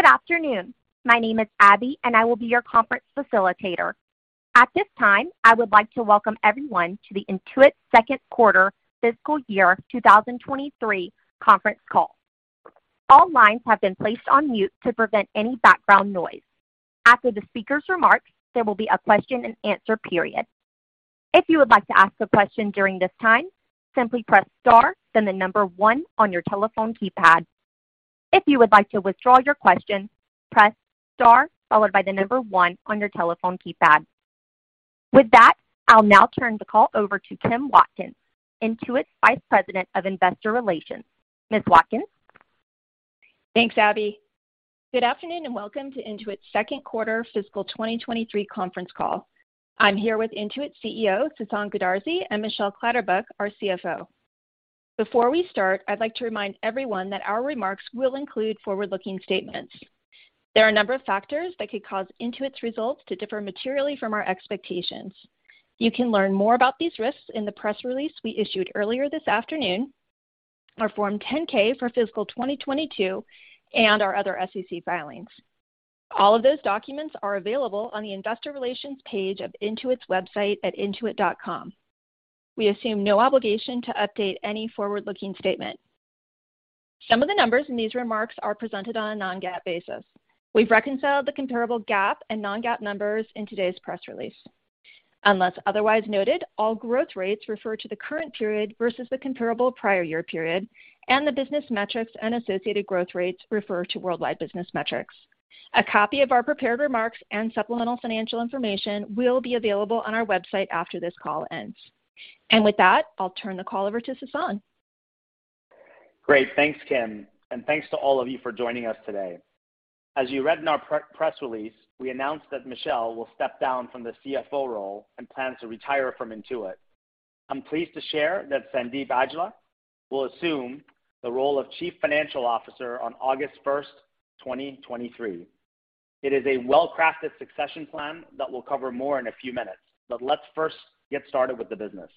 Good afternoon. My name is Abby, and I will be your Conference Facilitator. At this time, I would like to welcome everyone to the Intuit Q2 Fiscal Year 2023 Conference Call. All lines have been placed on mute to prevent any background noise. After the speaker's remarks, there will be a question-and-answer period. If you would like to ask a question during this time, simply press star, then one on your telephone keypad. If you would like to withdraw your question, press star followed by one on your telephone keypad. With that, I'll now turn the call over to Kim Watkins, Intuit Vice President of Investor Relations. Ms. Watkins. Thanks, Abby. Good afternoon, welcome to Intuit's Q2 Fiscal 2023 Conference Call. I'm here with Intuit's CEO, Sasan Goodarzi, and Michelle Clatterbuck, our CFO. Before we start, I'd like to remind everyone that our remarks will include forward-looking statements. There are a number of factors that could cause Intuit's results to differ materially from our expectations. You can learn more about these risks in the press release we issued earlier this afternoon, our Form 10-K for Fiscal 2022, and our other SEC filings. All of those documents are available on the investor relations page of Intuit's website at intuit.com. We assume no obligation to update any forward-looking statement. Some of the numbers in these remarks are presented on a non-GAAP basis. We've reconciled the comparable GAAP and non-GAAP numbers in today's press release. Unless otherwise noted, all growth rates refer to the current period versus the comparable prior year period, and the business metrics and associated growth rates refer to worldwide business metrics. A copy of our prepared remarks and supplemental financial information will be available on our website after this call ends. With that, I'll turn the call over to Sasan. Great. Thanks, Kim, thanks to all of you for joining us today. As you read in our pre-press release, we announced that Michelle will step down from the CFO role and plans to retire from Intuit. I'm pleased to share that Sandeep Aujla will assume the role of Chief Financial Officer on August 1st, 2023. It is a well-crafted succession plan that we'll cover more in a few minutes, but let's first get started with the business.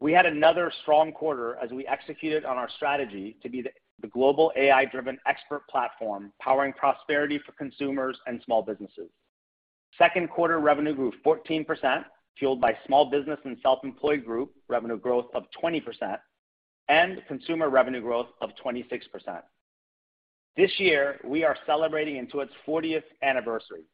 We had another strong quarter as we executed on our strategy to be the global AI-driven expert platform powering prosperity for consumers and small businesses. Q2 revenue grew 14%, fueled by small business and self-employed group revenue growth of 20% and consumer revenue growth of 26%. This year, we are celebrating Intuit's 40th anniversary.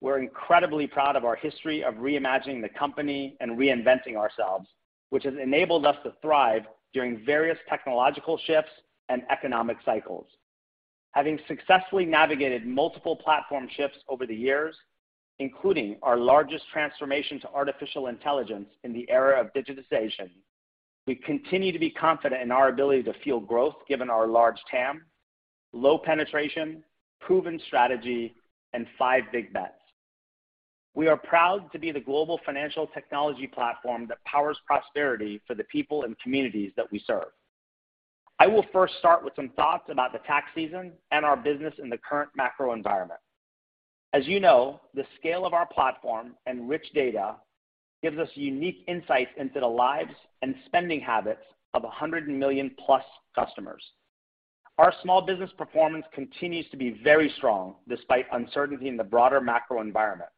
We're incredibly proud of our history of reimagining the company and reinventing ourselves, which has enabled us to thrive during various technological shifts and economic cycles. Having successfully navigated multiple platform shifts over the years, including our largest transformation to artificial intelligence in the era of digitization, we continue to be confident in our ability to fuel growth given our large TAM, low penetration, proven strategy, and five big bets. We are proud to be the global financial technology platform that powers prosperity for the people and communities that we serve. I will first start with some thoughts about the tax season and our business in the current macro environment. As you know, the scale of our platform and rich data gives us unique insights into the lives and spending habits of 100 million-plus customers. Our small business performance continues to be very strong despite uncertainty in the broader macro environment.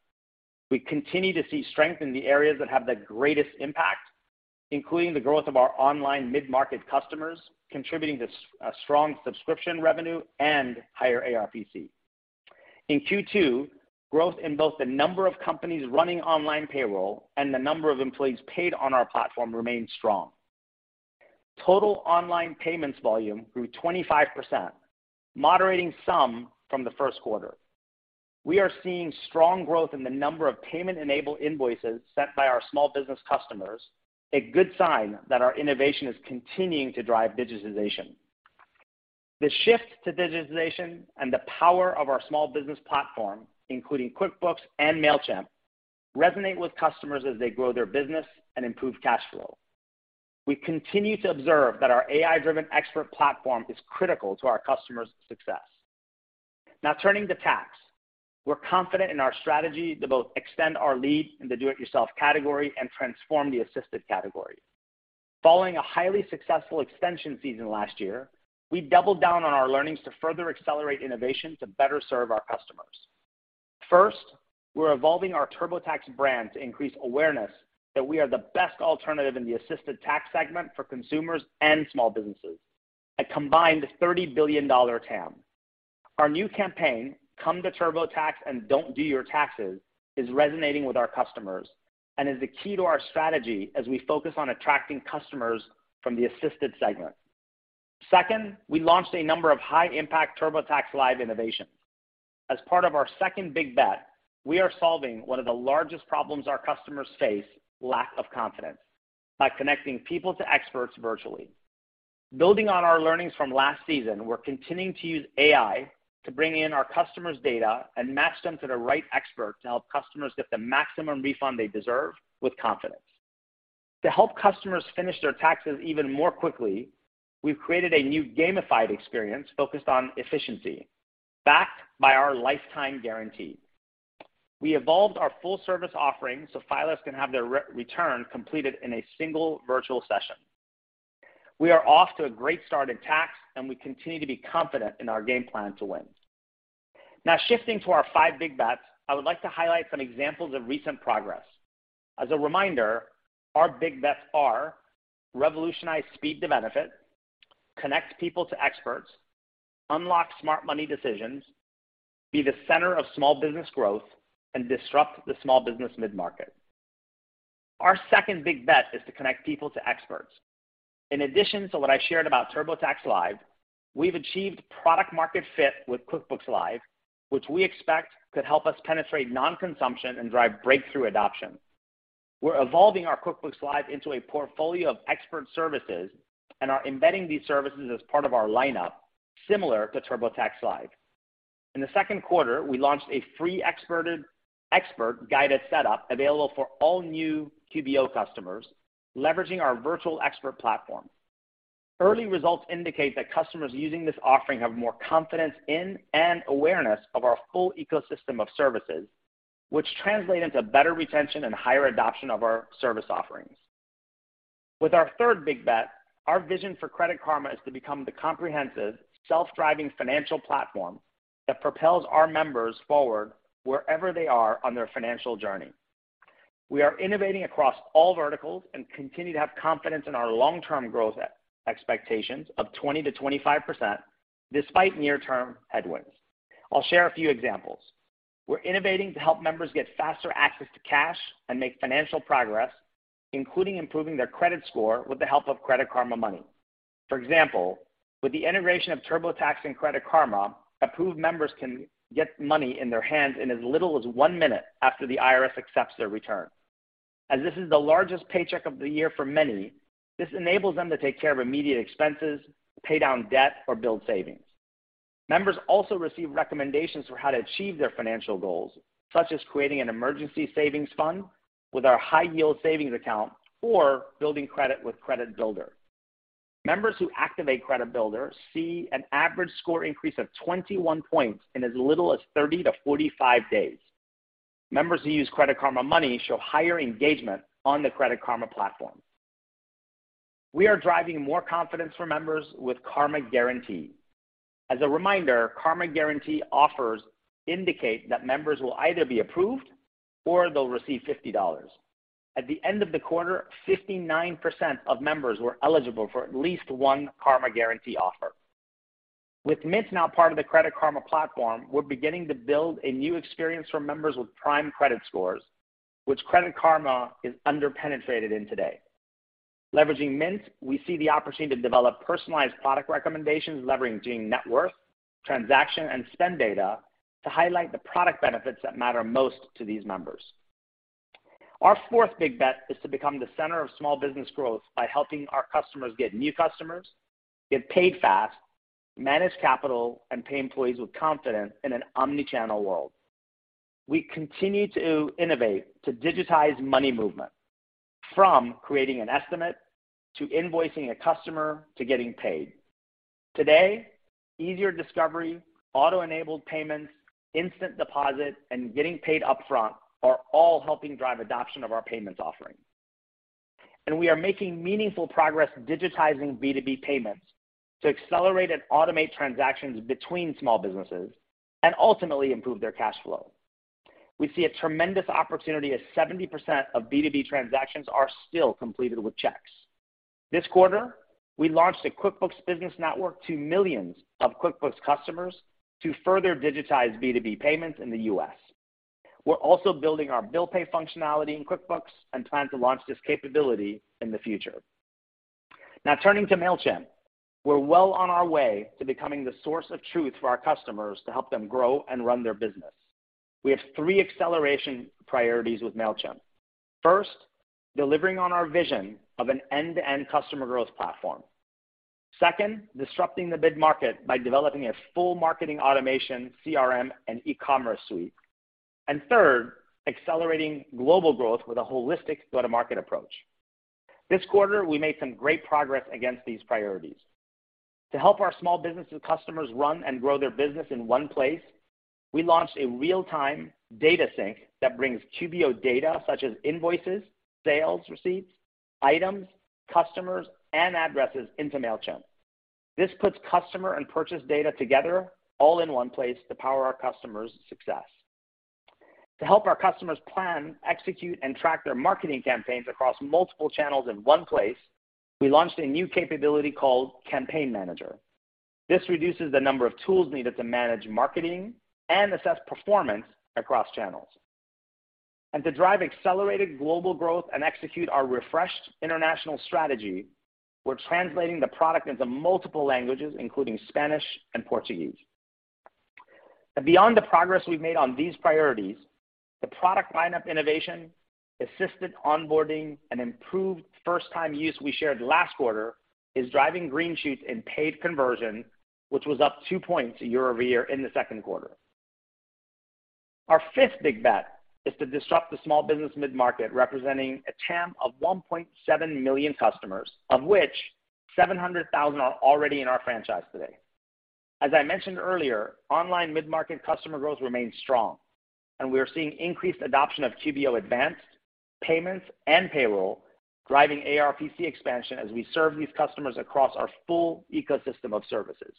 We continue to see strength in the areas that have the greatest impact, including the growth of our online mid-market customers, contributing to a strong subscription revenue and higher ARPC. In Q2, growth in both the number of companies running online Payroll and the number of employees paid on our platform remained strong. Total online Payments volume grew 25%, moderating some from the first quarter. We are seeing strong growth in the number of payment-enabled invoices sent by our small business customers, a good sign that our innovation is continuing to drive digitization. The shift to digitization and the power of our small business platform, including QuickBooks and Mailchimp, resonate with customers as they grow their business and improve cash flow. We continue to observe that our AI-driven expert platform is critical to our customers' success. Now turning to tax. We're confident in our strategy to both extend our lead in the do-it-yourself category and transform the assisted category. Following a highly successful extension season last year, we doubled down on our learnings to further accelerate innovation to better serve our customers. First, we're evolving our TurboTax brand to increase awareness that we are the best alternative in the assisted tax segment for consumers and small businesses, a combined $30 billion TAM. Our new campaign, Come to TurboTax and Don't Do Your Taxes, is resonating with our customers and is the key to our strategy as we focus on attracting customers from the assisted segment. Second, we launched a number of high-impact TurboTax Live innovations. As part of our second big bet, we are solving one of the largest problems our customers face, lack of confidence, by connecting people to experts virtually. Building on our learnings from last season, we're continuing to use AI to bring in our customers' data and match them to the right expert to help customers get the maximum refund they deserve with confidence. To help customers finish their taxes even more quickly, we've created a new gamified experience focused on efficiency backed by our lifetime guarantee. We evolved our full-service offering so filers can have their return completed in a single virtual session. We are off to a great start at Tax, we continue to be confident in our game plan to win. Shifting to our five big bets, I would like to highlight some examples of recent progress. As a reminder, our big bets are revolutionize speed to benefit, connect people to experts, unlock smart money decisions, be the center of small business growth, and disrupt the small business mid-market. Our second big bet is to connect people to experts. In addition to what I shared about TurboTax Live, we've achieved product market fit with QuickBooks Live, which we expect could help us penetrate non-consumption and drive breakthrough adoption. We're evolving our QuickBooks Live into a portfolio of expert services and are embedding these services as part of our lineup, similar to TurboTax Live. In the Q2, we launched a free expert guided setup available for all new QBO customers, leveraging our virtual expert platform. Early results indicate that customers using this offering have more confidence in and awareness of our full ecosystem of services, which translate into better retention and higher adoption of our service offerings. With our third big bet, our vision for Credit Karma is to become the comprehensive, self-driving financial platform that propels our members forward wherever they are on their financial journey. We are innovating across all verticals and continue to have confidence in our long-term growth expectations of 20%-25% despite near-term headwinds. I'll share a few examples. We're innovating to help members get faster access to cash and make financial progress, including improving their credit score with the help of Credit Karma Money. For example, with the integration of TurboTax and Credit Karma, approved members can get money in their hands in as little as one minute after the IRS accepts their return. As this is the largest paycheck of the year for many, this enables them to take care of immediate expenses, pay down debt, or build savings. Members also receive recommendations for how to achieve their financial goals, such as creating an emergency savings fund with our high-yield savings account or building credit with Credit Builder. Members who activate Credit Builder see an average score increase of 21 points in as little as 30 to 45 days. Members who use Credit Karma Money show higher engagement on the Credit Karma platform. We are driving more confidence for members with Karma Guarantee. As a reminder, Karma Guarantee offers indicate that members will either be approved or they'll receive $50. At the end of the quarter, 59% of members were eligible for at least one Karma Guarantee offer. With Mint now part of the Credit Karma platform, we're beginning to build a new experience for members with prime credit scores, which Credit Karma is under-penetrated in today. Leveraging Mint, we see the opportunity to develop personalized product recommendations leveraging net worth, transaction, and spend data to highlight the product benefits that matter most to these members. Our fourth big bet is to become the center of small business growth by helping our customers get new customers, get paid fast, manage capital, and pay employees with confidence in an omni-channel world. We continue to innovate to digitize money movement from creating an estimate to invoicing a customer to getting paid. Today, easier discovery, auto-enabled payments, instant deposit, and getting paid upfront are all helping drive adoption of our payments offering. We are making meaningful progress digitizing B2B payments to accelerate and automate transactions between small businesses and ultimately improve their cash flow. We see a tremendous opportunity as 70% of B2B transactions are still completed with checks. This quarter, we launched a QuickBooks Business Network to millions of QuickBooks customers to further digitize B2B payments in the U.S. We're also building our bill pay functionality in QuickBooks and plan to launch this capability in the future. Turning to Mailchimp, we're well on our way to becoming the source of truth for our customers to help them grow and run their business. We have three acceleration priorities with Mailchimp. First, delivering on our vision of an end-to-end customer growth platform. Second, disrupting the mid-market by developing a full marketing automation CRM and e-commerce suite. Third, accelerating global growth with a holistic go-to-market approach. This quarter, we made some great progress against these priorities. To help our small business customers run and grow their business in one place, we launched a real-time data sync that brings QBO data such as invoices, sales receipts, items, customers, and addresses into Mailchimp. This puts customer and purchase data together all in one place to power our customers' success. To help our customers plan, execute, and track their marketing campaigns across multiple channels in one place, we launched a new capability called Campaign Manager. This reduces the number of tools needed to manage marketing and assess performance across channels. To drive accelerated global growth and execute our refreshed international strategy, we're translating the product into multiple languages, including Spanish and Portuguese. Beyond the progress we've made on these priorities, the product lineup innovation, assisted onboarding, and improved first-time use we shared last quarter is driving green shoots in paid conversion, which was up two points year-over-year in the second quarter. Our fifth big bet is to disrupt the small business mid-market, representing a TAM of 1.7 million customers, of which 700,000 are already in our franchise today. As I mentioned earlier, online mid-market customer growth remains strong, and we are seeing increased adoption of QBO Advanced, Payments, and Payroll, driving ARPC expansion as we serve these customers across our full ecosystem of services.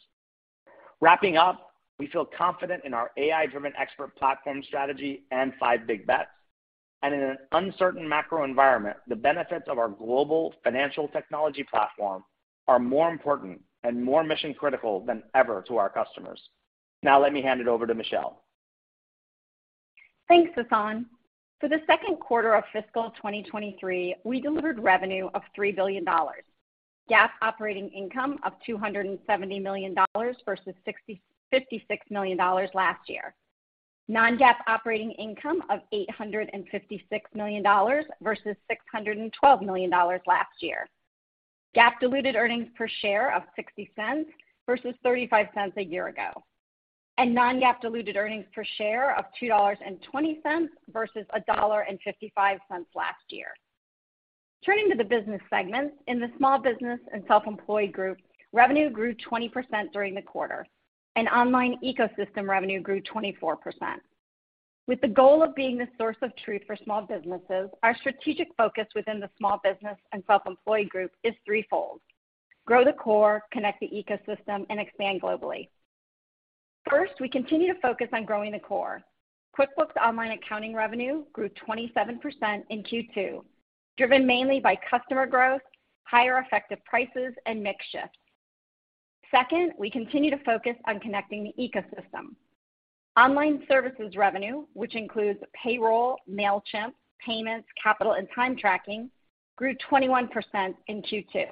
Wrapping up, we feel confident in our AI-driven expert platform strategy and five big bets. In an uncertain macro environment, the benefits of our global financial technology platform are more important and more mission-critical than ever to our customers. Now, let me hand it over to Michelle. Thanks, Sasan. For the Q2 of Fiscal 2023, we delivered revenue of $3 billion, GAAP operating income of $270 million versus $56 million last year. non-GAAP operating income of $856 million versus $612 million last year. GAAP diluted earnings per share of $0.60 versus $0.35 a year ago. Non-GAAP diluted earnings per share of $2.20 versus $1.55 last year. Turning to the business segments, in the small business and self-employed group, revenue grew 20% during the quarter, and online ecosystem revenue grew 24%. With the goal of being the source of truth for small businesses, our strategic focus within the small business and self-employed group is threefold: grow the core, connect the ecosystem, and expand globally. First, we continue to focus on growing the core. QuickBooks Online Accounting Revenue grew 27% in Q2, driven mainly by customer growth, higher effective prices, and mix shifts. Second, we continue to focus on connecting the ecosystem. Online services revenue, which includes Payroll, Mailchimp, Payments, Capital and time tracking, grew 21% in Q2.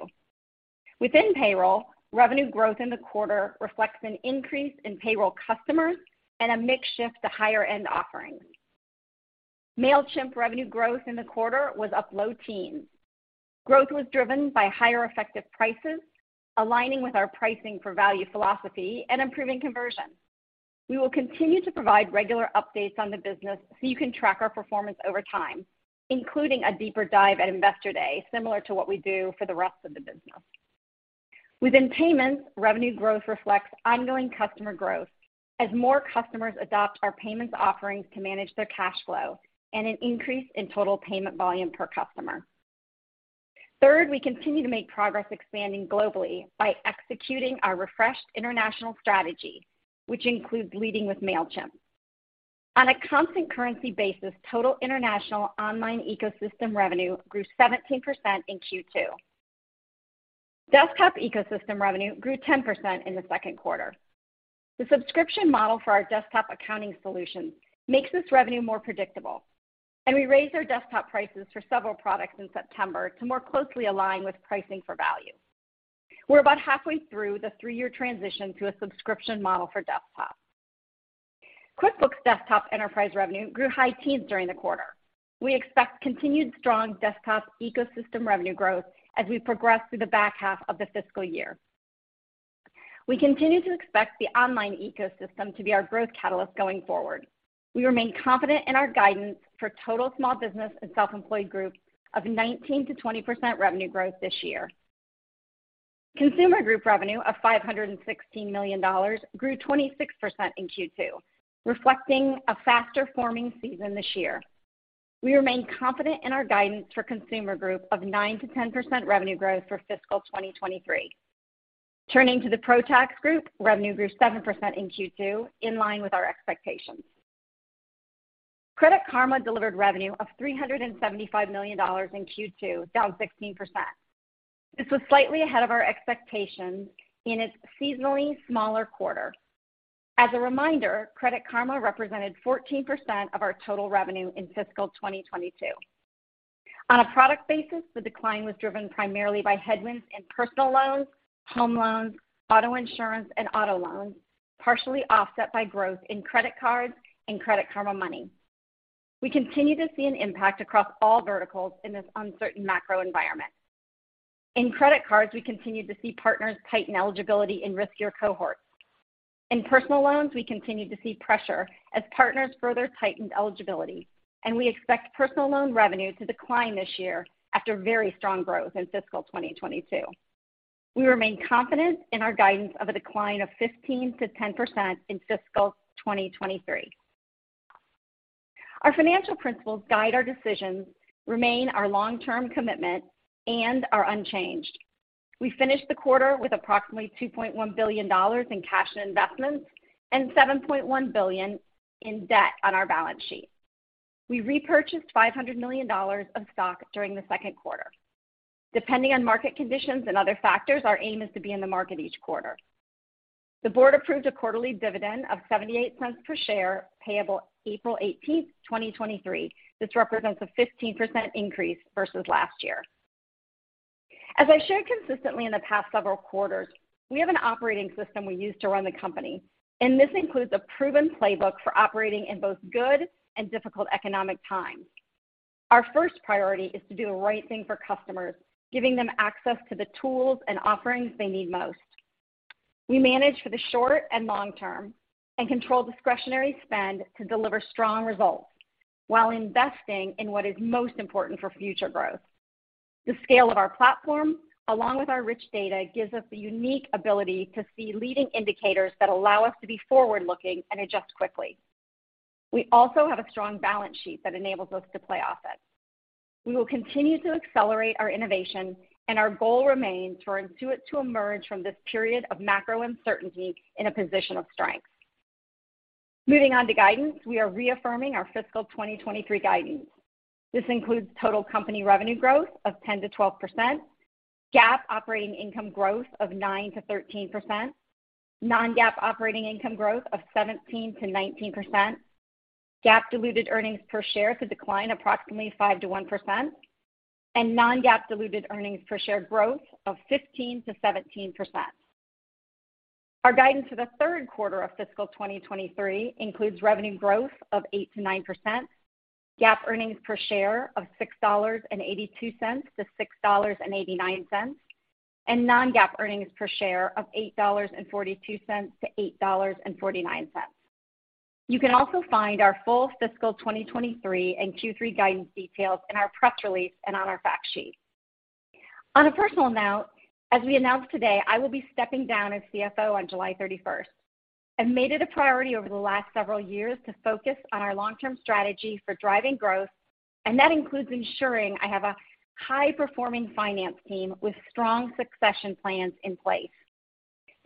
Within Payroll, revenue growth in the quarter reflects an increase in Payroll customers and a mix shift to higher-end offerings. Mailchimp revenue growth in the quarter was up low teens. Growth was driven by higher effective prices, aligning with our pricing for value philosophy and improving conversion. We will continue to provide regular updates on the business so you can track our performance over time, including a deeper dive at Investor Day, similar to what we do for the rest of the business. Within Payments, revenue growth reflects ongoing customer growth as more customers adopt our Payments offerings to manage their cash flow, and an increase in total payment volume per customer. Third, we continue to make progress expanding globally by executing our refreshed international strategy, which includes leading with Mailchimp. On a constant currency basis, total international online ecosystem revenue grew 17% in Q2. Desktop ecosystem revenue grew 10% in the second quarter. The subscription model for our desktop accounting solutions makes this revenue more predictable, and we raised our desktop prices for several products in September to more closely align with pricing for value. We're about halfway through the three-year transition to a subscription model for desktop. QuickBooks Desktop enterprise revenue grew high teens during the quarter. We expect continued strong desktop ecosystem revenue growth as we progress through the back half of the fiscal year. We continue to expect the online ecosystem to be our growth catalyst going forward. We remain confident in our guidance for total small business and self-employed group of 19%-20% revenue growth this year. Consumer group revenue of $516 million grew 26% in Q2, reflecting a faster-forming season this year. We remain confident in our guidance for consumer group of 9%-10% revenue growth for Fiscal 2023. Turning to the ProTax group, revenue grew 7% in Q2, in line with our expectations. Credit Karma delivered revenue of $375 million in Q2, down 16%. This was slightly ahead of our expectations in its seasonally smaller quarter. As a reminder, Credit Karma represented 14% of our total revenue in fiscal 2022. On a product basis, the decline was driven primarily by headwinds in personal loans, home loans, auto insurance, and auto loans, partially offset by growth in credit cards and Credit Karma Money. We continue to see an impact across all verticals in this uncertain macro environment. In credit cards, we continue to see partners tighten eligibility in riskier cohorts. In personal loans, we continue to see pressure as partners further tightened eligibility. We expect personal loan revenue to decline this year after very strong growth in fiscal 2022. We remain confident in our guidance of a decline of 15%-10% in fiscal 2023. Our financial principles guide our decisions, remain our long-term commitment, and are unchanged. We finished the quarter with approximately $2.1 billion in cash and investments and $7.1 billion in debt on our balance sheet. We repurchased $500 million of stock during the second quarter. Depending on market conditions and other factors, our aim is to be in the market each quarter. The board approved a quarterly dividend of $0.78 per share, payable April 18, 2023. This represents a 15% increase versus last year. As I shared consistently in the past several quarters, we have an operating system we use to run the company, and this includes a proven playbook for operating in both good and difficult economic times. Our first priority is to do the right thing for customers, giving them access to the tools and offerings they need most. We manage for the short and long term and control discretionary spend to deliver strong results while investing in what is most important for future growth. The scale of our platform, along with our rich data, gives us the unique ability to see leading indicators that allow us to be forward-looking and adjust quickly. We also have a strong balance sheet that enables us to play offense. We will continue to accelerate our innovation, and our goal remains for Intuit to emerge from this period of macro uncertainty in a position of strength. Moving on to guidance, we are reaffirming our Fiscal 2023 guidance. This includes total company revenue growth of 10%-12%, GAAP operating income growth of 9%-13%, Non-GAAP operating income growth of 17%-19%, GAAP diluted earnings per share to decline approximately 5%-1%, non-GAAP diluted earnings per share growth of 15%-17%. Our guidance for the Q3 of Fiscal 2023 includes revenue growth of 8%-9%, GAAP earnings per share of $6.82-$6.89, Non-GAAP earnings per share of $8.42-$8.49. You can also find our full Fiscal 2023 and Q3 guidance details in our press release and on our fact sheet. On a personal note, as we announced today, I will be stepping down as CFO on July 31st. I've made it a priority over the last several years to focus on our long-term strategy for driving growth. That includes ensuring I have a high-performing finance team with strong succession plans in place.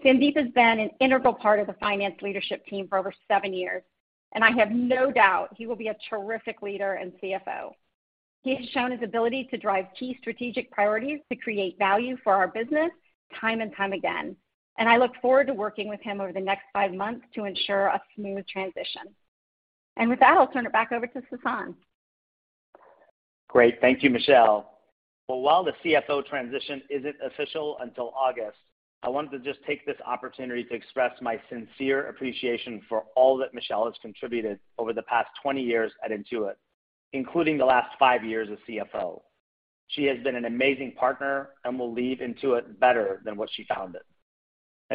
Sandeep has been an integral part of the finance leadership team for over seven years. I have no doubt he will be a terrific leader and CFO. He has shown his ability to drive key strategic priorities to create value for our business time and time again. I look forward to working with him over the next five months to ensure a smooth transition. With that, I'll turn it back over to Sasan. Great. Thank you, Michelle. Well, while the CFO transition isn't official until August, I wanted to just take this opportunity to express my sincere appreciation for all that Michelle has contributed over the past 20 years at Intuit, including the last five years as CFO. She has been an amazing partner and will leave Intuit better than what she found it.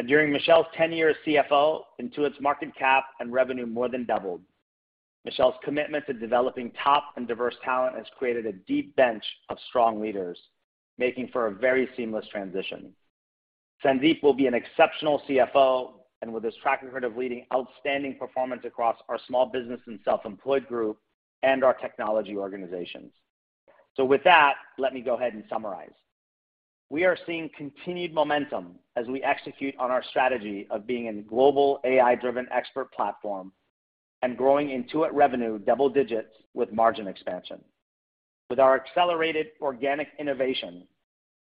During Michelle's 10 years as CFO, Intuit's Market Cap and Revenue more than doubled. Michelle's commitment to developing top and diverse talent has created a deep bench of strong leaders, making for a very seamless transition. Sandeep will be an exceptional CFO and with his track record of leading outstanding performance across our small business and self-employed group and our technology organizations. With that, let me go ahead and summarize. We are seeing continued momentum as we execute on our strategy of being a global AI-driven expert platform and growing Intuit revenue double digits with margin expansion. With our accelerated organic innovation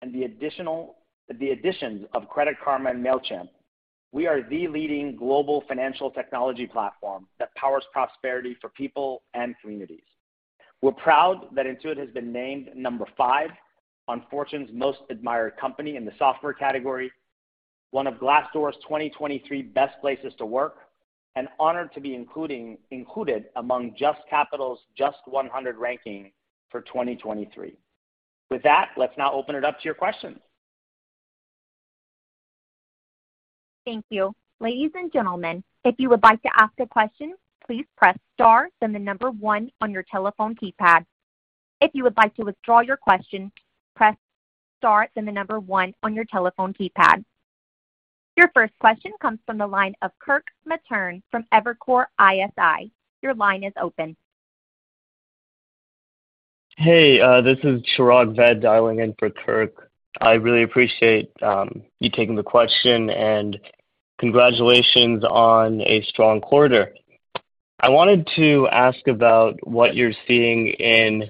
and the additions of Credit Karma and Mailchimp, we are the leading global financial technology platform that powers prosperity for people and communities. We're proud that Intuit has been named number five on Fortune's Most Admired Company in the software category, one of Glassdoor's 2023 Best Places to Work, and honored to be included among JUST Capital's JUST 100 ranking for 2023. With that, let's now open it up to your questions. Thank you. Ladies and gentlemen, if you would like to ask a question, please press star, then the number one on your telephone keypad. If you would like to withdraw your question, press star, then the number one on your telephone keypad. Your first question comes from the line of Kirk Materne from Evercore ISI. Your line is open. Hey, this is Chirag Ved dialing in for Kirk. I really appreciate you taking the question, and congratulations on a strong quarter. I wanted to ask about what you're seeing in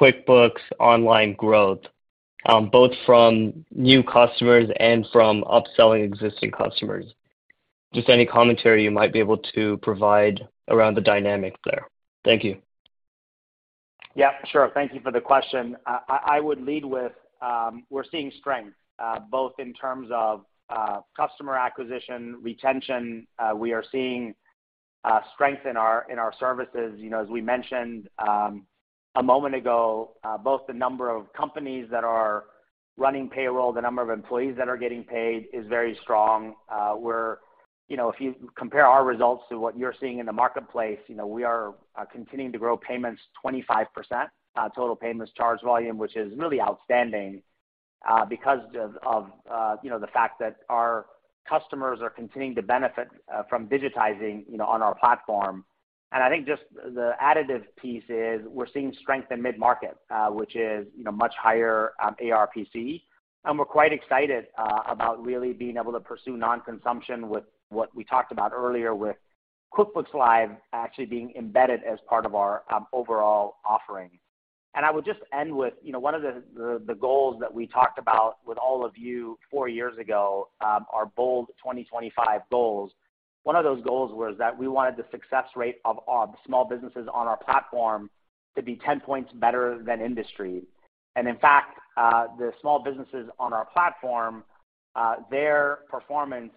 QuickBooks Online growth, both from new customers and from upselling existing customers. Just any commentary you might be able to provide around the dynamic there. Thank you. Yeah, sure. Thank you for the question. I would lead with, we're seeing strength both in terms of customer acquisition, retention. We are seeing strength in our services. You know, as we mentioned a moment ago, both the number of companies that are running Payroll, the number of employees that are getting paid is very strong. You know, if you compare our results to what you're seeing in the marketplace, you know, we are continuing to grow Payments 25%, total Payments charge volume, which is really outstanding because of, you know, the fact that our customers are continuing to benefit from digitizing, you know, on our platform. I think just the additive piece is we're seeing strength in mid-market, which is, you know, much higher ARPC. We're quite excited about really being able to pursue non-consumption with what we talked about earlier with QuickBooks Live actually being embedded as part of our overall offering. I will just end with, you know, one of the goals that we talked about with all of you four years ago, our bold 2025 goals. One of those goals was that we wanted the success rate of small businesses on our platform to be 10 points better than industry. In fact, the small businesses on our platform, their performance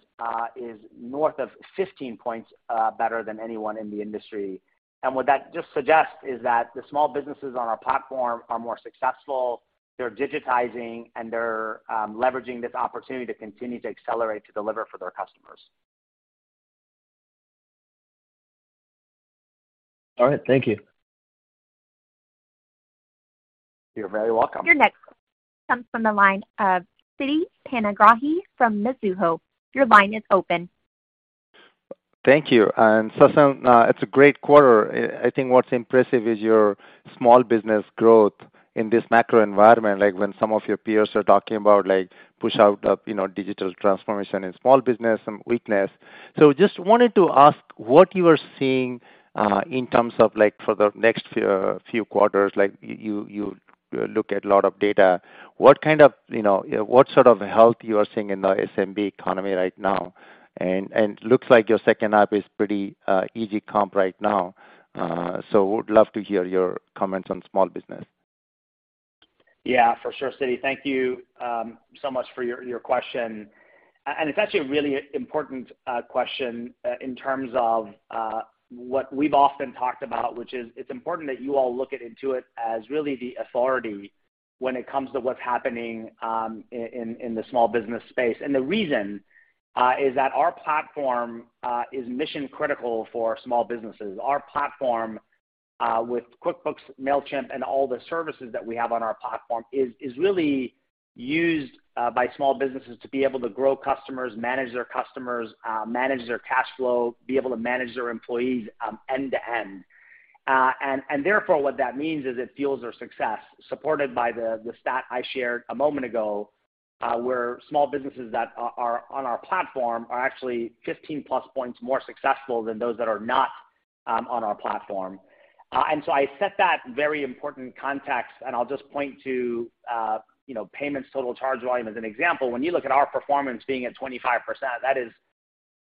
is north of 15 points better than anyone in the industry. What that just suggests is that the small businesses on our platform are more successful, they're digitizing, and they're leveraging this opportunity to continue to accelerate to deliver for their customers. All right, thank you. You're very welcome. Your next comes from the line of Siti Panigrahi from Mizuho. Your line is open. Thank you. Sasan, it's a great quarter. I think what's impressive is your small business growth in this macro environment. Like, when some of your peers are talking about, like, push out of, you know, digital transformation in small business, some weakness. Just wanted to ask what you are seeing, in terms of like for the next few quarters, like you look at a lot of data? What kind of, you know, what sort of health you are seeing in the SMB economy right now? Looks like your second half is pretty, easy comp right now. Would love to hear your comments on small business. Yeah, for sure, Siti. Thank you, so much for your question. It's actually a really important question in terms of what we've often talked about, which is it's important that you all look at Intuit as really the authority when it comes to what's happening in the small business space. The reason is that our platform is mission-critical for small businesses. Our platform with QuickBooks, Mailchimp, and all the services that we have on our platform is really used by small businesses to be able to grow customers, manage their customers, manage their cash flow, be able to manage their employees, end to end. Therefore, what that means is it fuels their success, supported by the stat I shared a moment ago, where small businesses that are on our platform are actually 15 plus points more successful than those that are not on our platform. I set that very important context, and I'll just point to, you know, payments total charge volume as an example. When you look at our performance being at 25%, that is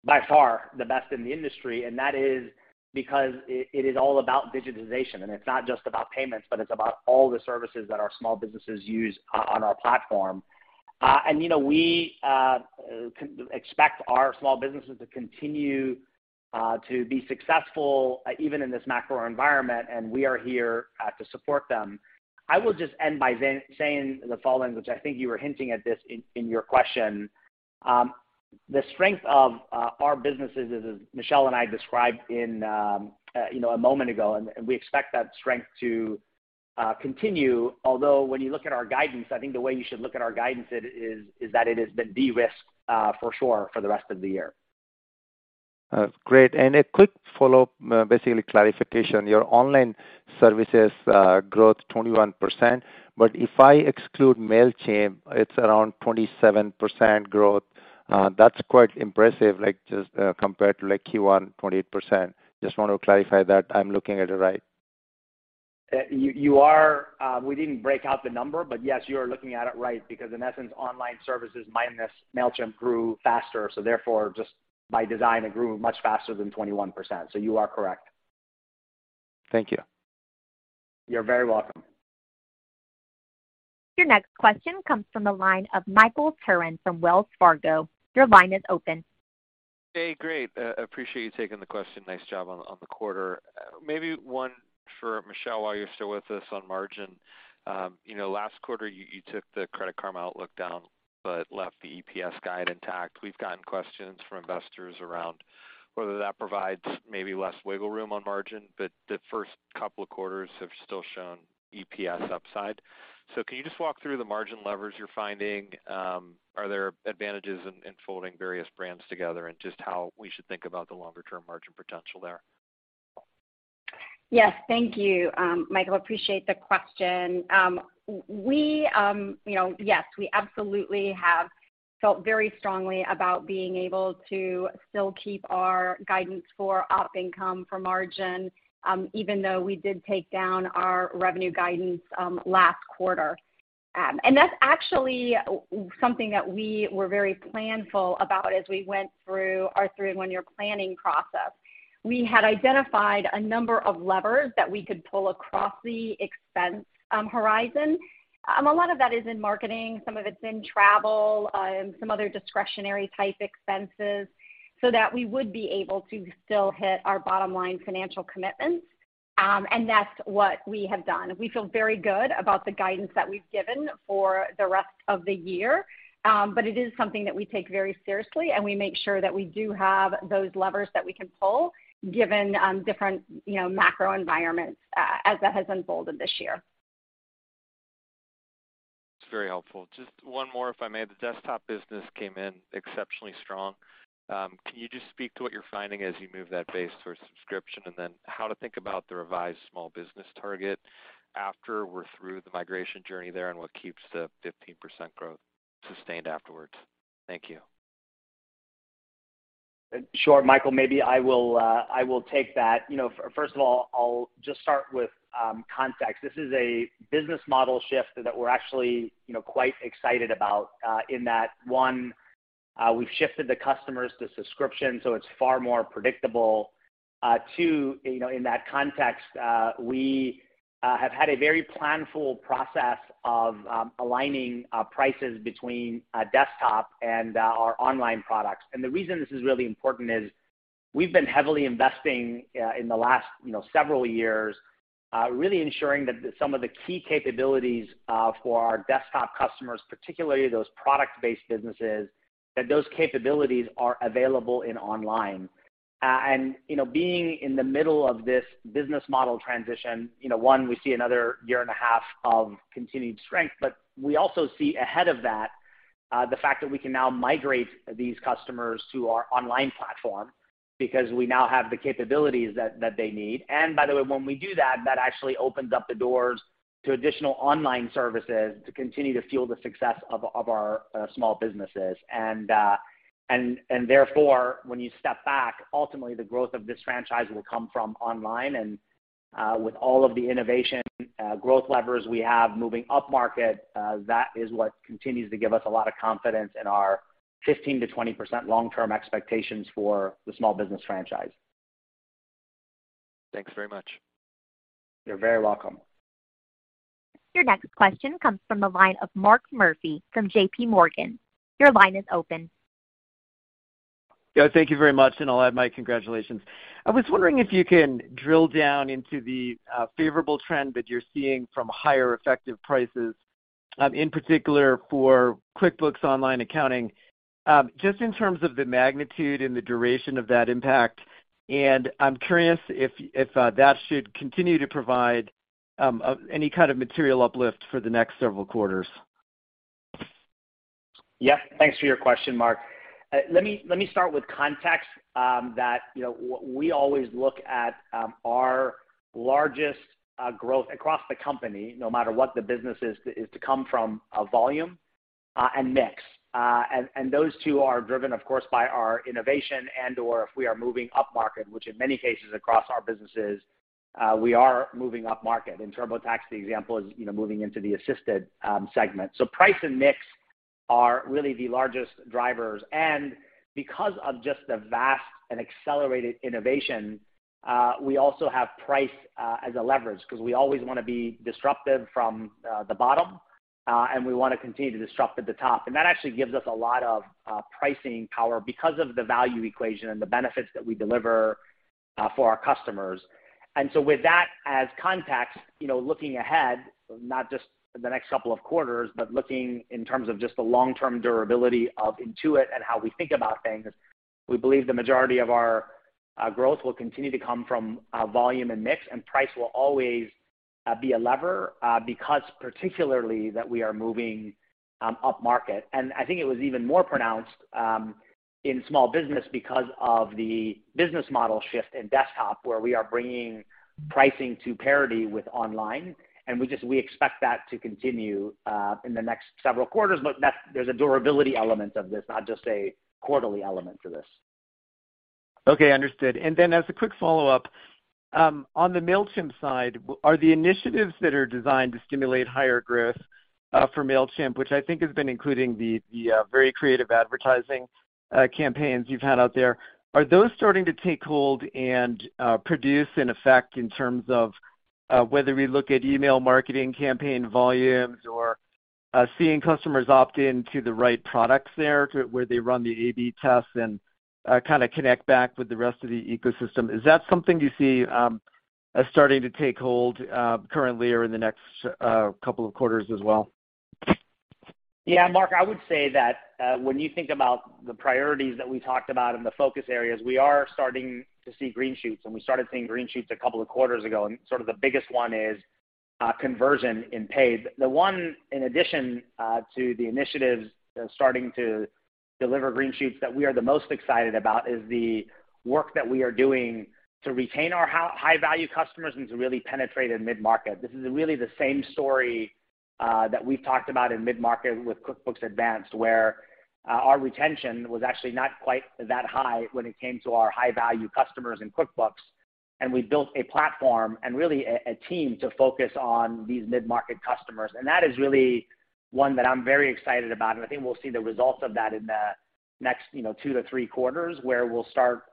by far the best in the industry, and that is because it is all about digitization. It's not just about payments, but it's about all the services that our small businesses use on our platform. You know, we expect our small businesses to continue to be successful even in this macro environment, and we are here to support them. I will just end by then saying the following, which I think you were hinting at this in your question. The strength of our businesses, as Michelle and I described in, you know, a moment ago, and we expect that strength to continue. When you look at our guidance, I think the way you should look at our guidance is that it has been de-risked, for sure, for the rest of the year. Great. A quick follow-up, basically clarification. Your online services growth 21%. If I exclude Mailchimp, it's around 27% growth. That's quite impressive, like, just compared to like Q1, 28%. Just want to clarify that I'm looking at it right? You are. We didn't break out the number, yes, you are looking at it right because in essence, online services minus Mailchimp grew faster, therefore just by design it grew much faster than 21%. You are correct. Thank you. You're very welcome. Your next question comes from the line of Michael Turrin from Wells Fargo. Your line is open. Hey, great. Appreciate you taking the question. Nice job on the quarter. Maybe one for Michelle while you're still with us on margin. You know, last quarter, you took the Credit Karma outlook down but left the EPS guide intact. We've gotten questions from investors around whether that provides maybe less wiggle room on margin, but the first couple of quarters have still shown EPS upside. Can you just walk through the margin levers you're finding? Are there advantages in folding various brands together and just how we should think about the longer-term margin potential there? Yes. Thank you, Michael. Appreciate the question. We, you know, yes, we absolutely have felt very strongly about being able to still keep our guidance for op income for margin, even though we did take down our revenue guidance last quarter. That's actually something that we were very planful about as we went through our three-in-one-year planning process. We had identified a number of levers that we could pull across the expense horizon. A lot of that is in marketing, some of it's in travel, some other discretionary type expenses, so that we would be able to still hit our bottom line financial commitments. That's what we have done. We feel very good about the guidance that we've given for the rest of the year. It is something that we take very seriously, and we make sure that we do have those levers that we can pull given different, you know, macro environments as that has unfolded this year. It's very helpful. Just one more, if I may. The Desktop business came in exceptionally strong. Can you just speak to what you're finding as you move that base towards subscription, and then how to think about the revised small business target after we're through the migration journey there and what keeps the 15% growth sustained afterwards? Thank you. Sure, Michael. Maybe I will, I will take that. You know, first of all, I'll just start with context. This is a business model shift that we're actually, you know, quite excited about, in that, one, we've shifted the customers to subscription, so it's far more predictable. Two, you know, in that context, we have had a very planful process of aligning prices between desktop and our online products. The reason this is really important is we've been heavily investing in the last, you know, several years, really ensuring that some of the key capabilities for our desktop customers, particularly those product-based businesses, that those capabilities are available in online. you know, being in the middle of this business model transition, you know, one, we see another year and a half of continued strength, but we also see ahead of that, the fact that we can now migrate these customers to our online platform because we now have the capabilities that they need. By the way, when we do that actually opens up the doors to additional online services to continue to fuel the success of our small businesses. Therefore, when you step back, ultimately the growth of this franchise will come from online. With all of the innovation, growth levers we have moving up market, that is what continues to give us a lot of confidence in our 15%-20% long-term expectations for the small business franchise. Thanks very much. You're very welcome. Your next question comes from the line of Mark Murphy from JP Morgan. Your line is open. Yeah, thank you very much, and I'll add my congratulations. I was wondering if you can drill down into the favorable trend that you're seeing from higher effective prices, in particular for QuickBooks Online Accounting, just in terms of the magnitude and the duration of that impact? I'm curious if that should continue to provide any kind of material uplift for the next several quarters? Yes. Thanks for your question, Mark. let me start with context, that, you know, we always look at, our largest, growth across the company, no matter what the business is to come from, volume, and mix. Those two are driven, of course, by our innovation and/or if we are moving upmarket, which in many cases across our businesses, we are moving upmarket. In TurboTax, the example is, you know, moving into the assisted, segment. Price and mix are really the largest drivers. Because of just the vast and accelerated innovation, we also have price, as a leverage because we always wanna be disruptive from, the bottom, and we wanna continue to disrupt at the top. That actually gives us a lot of pricing power because of the value equation and the benefits that we deliver for our customers. With that as context, you know, looking ahead, not just the next couple of quarters, but looking in terms of just the long-term durability of Intuit and how we think about things, we believe the majority of our growth will continue to come from volume and mix, and price will always be a lever because particularly that we are moving upmarket. I think it was even more pronounced in small business because of the business model shift in desktop, where we are bringing pricing to parity with online. we just, we expect that to continue in the next several quarters, but that's, there's a durability element of this, not just a quarterly element to this. Okay, understood. As a quick follow-up, on the Mailchimp side, are the initiatives that are designed to stimulate higher growth for Mailchimp, which I think has been including the very creative advertising campaigns you've had out there, are those starting to take hold and produce an effect in terms of whether we look at email marketing campaign volumes or seeing customers opt in to the right products there to where they run the AB tests and kinda connect back with the rest of the ecosystem? Is that something you see as starting to take hold currently or in the next couple of quarters as well? Yeah, Mark, I would say that when you think about the priorities that we talked about and the focus areas, we are starting to see green shoots, and we started seeing green shoots a couple of quarters ago, and sort of the biggest one is conversion in paid. The one, in addition, to the initiatives that are starting to deliver green shoots that we are the most excited about is the work that we are doing to retain our high-value customers and to really penetrate in mid-market. This is really the same story that we've talked about in mid-market with QuickBooks Advanced, where our retention was actually not quite that high when it came to our high-value customers in QuickBooks. We built a platform and really a team to focus on these mid-market customers. That is really one that I'm very excited about, and I think we'll see the results of that in the next, you know, two to three quarters, where we'll start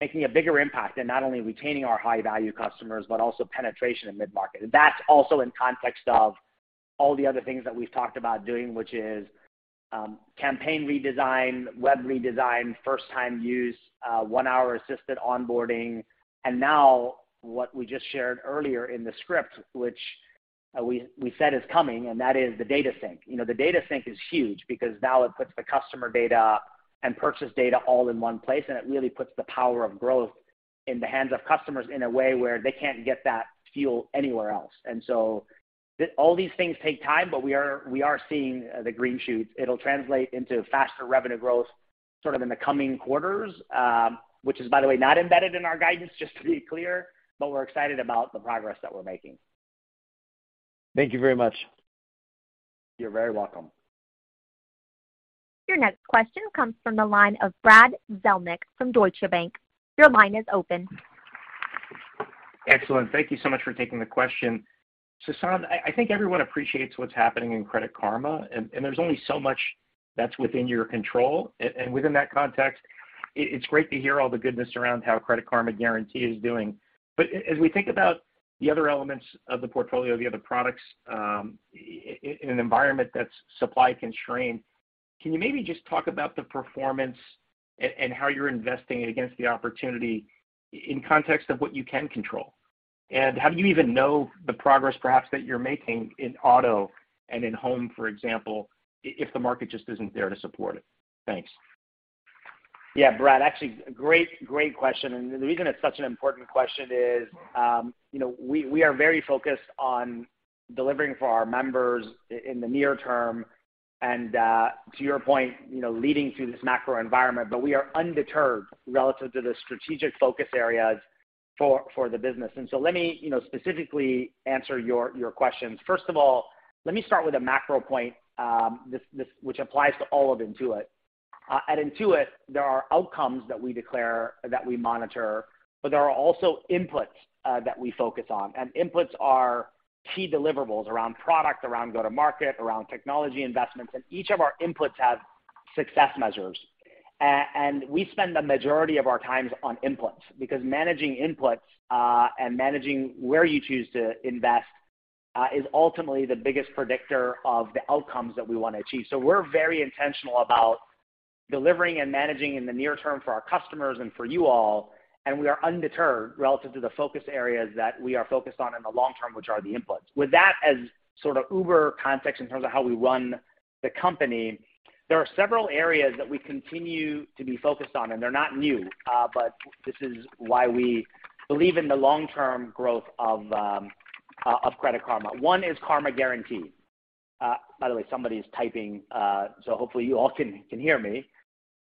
making a bigger impact in not only retaining our high-value customers, but also penetration in mid-market. That's also in context of all the other things that we've talked about doing, which is, campaign redesign, web redesign, first-time use, one-hour assisted onboarding. Now what we just shared earlier in the script, which we said is coming, and that is the data sync. You know, the data sync is huge because now it puts the customer data and purchase data all in one place, and it really puts the power of growth in the hands of customers in a way where they can't get that fuel anywhere else. All these things take time, but we are seeing the green shoots. It'll translate into faster revenue growth sort of in the coming quarters, which is, by the way, not embedded in our guidance, just to be clear, but we're excited about the progress that we're making. Thank you very much. You're very welcome. Your next question comes from the line of Brad Zelnick from Deutsche Bank. Your line is open. Excellent. Thank you so much for taking the question. Sasan, I think everyone appreciates what's happening in Credit Karma, and there's only so much that's within your control. And within that context, it's great to hear all the goodness around how Credit Karma Guarantee is doing. As we think about the other elements of the portfolio, the other products, in an environment that's supply constrained. Can you maybe just talk about the performance and how you're investing against the opportunity in context of what you can control? How do you even know the progress perhaps that you're making in auto and in home, for example, if the market just isn't there to support it? Thanks. Yeah, Brad, actually great question. The reason it's such an important question is, you know, we are very focused on delivering for our members in the near term, and to your point, you know, leading through this macro environment. We are undeterred relative to the strategic focus areas for the business. Let me, you know, specifically answer your questions. First of all, let me start with a macro point, which applies to all of Intuit. At Intuit, there are outcomes that we declare that we monitor, but there are also inputs that we focus on. Inputs are key deliverables around product, around go-to-market, around technology investments, and each of our inputs have success measures. We spend the majority of our times on inputs because managing inputs, and managing where you choose to invest, is ultimately the biggest predictor of the outcomes that we wanna achieve. We're very intentional about delivering and managing in the near term for our customers and for you all, and we are undeterred relative to the focus areas that we are focused on in the long term, which are the inputs. With that as sort of uber context in terms of how we run the company, there are several areas that we continue to be focused on, and they're not new, but this is why we believe in the long-term growth of Credit Karma. One is Karma Guarantee. By the way, somebody's typing, so hopefully you all can hear me.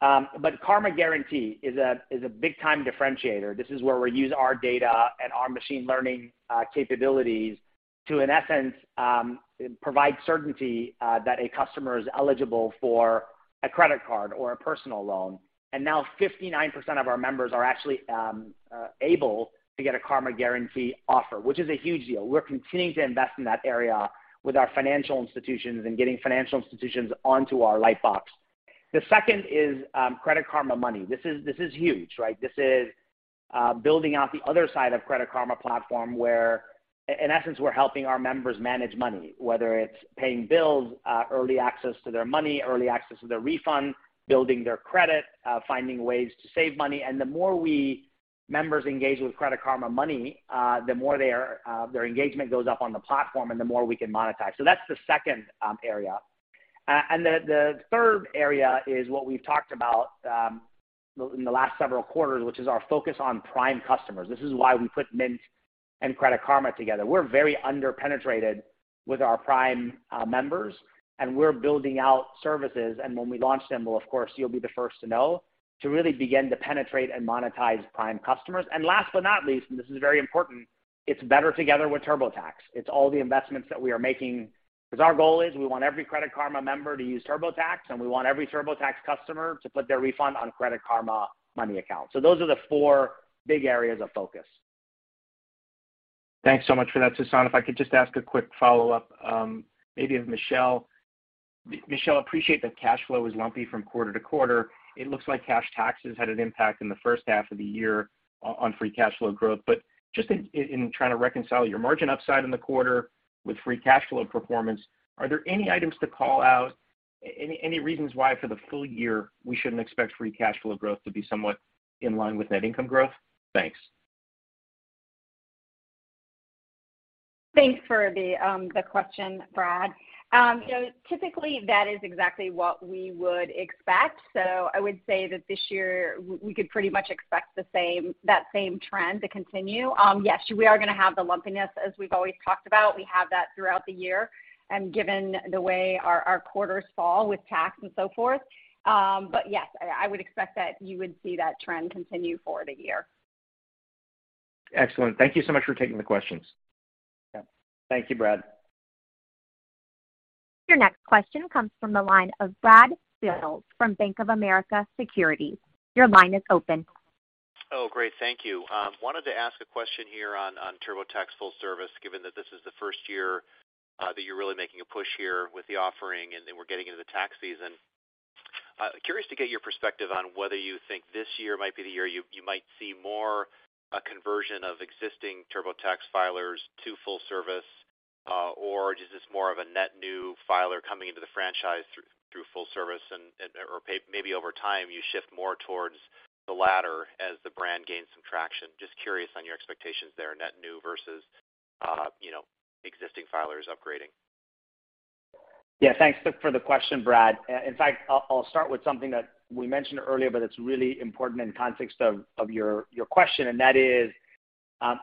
Karma Guarantee is a big time differentiator. This is where we use our data and our machine learning capabilities to, in essence, provide certainty that a customer is eligible for a credit card or a personal loan. Now 59% of our members are actually able to get a Karma Guarantee offer, which is a huge deal. We're continuing to invest in that area with our financial institutions and getting financial institutions onto our Lightbox. The second is Credit Karma Money. This is huge, right? This is building out the other side of Credit Karma platform where in essence, we're helping our members manage money, whether it's paying bills, early access to their money, early access to their refund, building their credit, finding ways to save money. The more members engage with Credit Karma Money, the more their engagement goes up on the platform and the more we can monetize. That's the second area. The third area is what we've talked about in the last several quarters, which is our focus on prime customers. This is why we put Mint and Credit Karma together. We're very under-penetrated with our prime members, and we're building out services. When we launch them, well, of course, you'll be the first to know, to really begin to penetrate and monetize prime customers. Last but not least, and this is very important, it's better together with TurboTax. It's all the investments that we are making. Our goal is we want every Credit Karma member to use TurboTax, and we want every TurboTax customer to put their refund on Credit Karma Money account. Those are the four big areas of focus. Thanks so much for that, Sasan. If I could just ask a quick follow-up, maybe of Michelle. Michelle, appreciate that cash flow is lumpy from quarter to quarter. It looks like cash taxes had an impact in the first half of the year on free cash flow growth. Just in trying to reconcile your margin upside in the quarter with free cash flow performance, are there any items to call out? Any reasons why for the full year we shouldn't expect free cash flow growth to be somewhat in line with net income growth? Thanks. Thanks for the question, Brad. You know, typically that is exactly what we would expect. I would say that this year we could pretty much expect the same, that same trend to continue. Yes, we are gonna have the lumpiness, as we've always talked about. We have that throughout the year, given the way our quarters fall with tax and so forth. Yes, I would expect that you would see that trend continue for the year. Excellent. Thank you so much for taking the questions. Yeah. Thank you, Brad. Your next question comes from the line of Brad Sills from Bank of America Securities. Your line is open. Great. Thank you. Wanted to ask a question here on TurboTax Full Service, given that this is the first year that you're really making a push here with the offering. We're getting into the tax season. Curious to get your perspective on whether you think this year might be the year you might see more conversion of existing TurboTax filers to full service, or is this more of a net new filer coming into the franchise through full service or maybe over time you shift more towards the latter as the brand gains some traction. Just curious on your expectations there, net new versus, you know, existing filers upgrading. Thanks for the question, Brad. In fact, I'll start with something that we mentioned earlier, but it's really important in context of your question, and that is,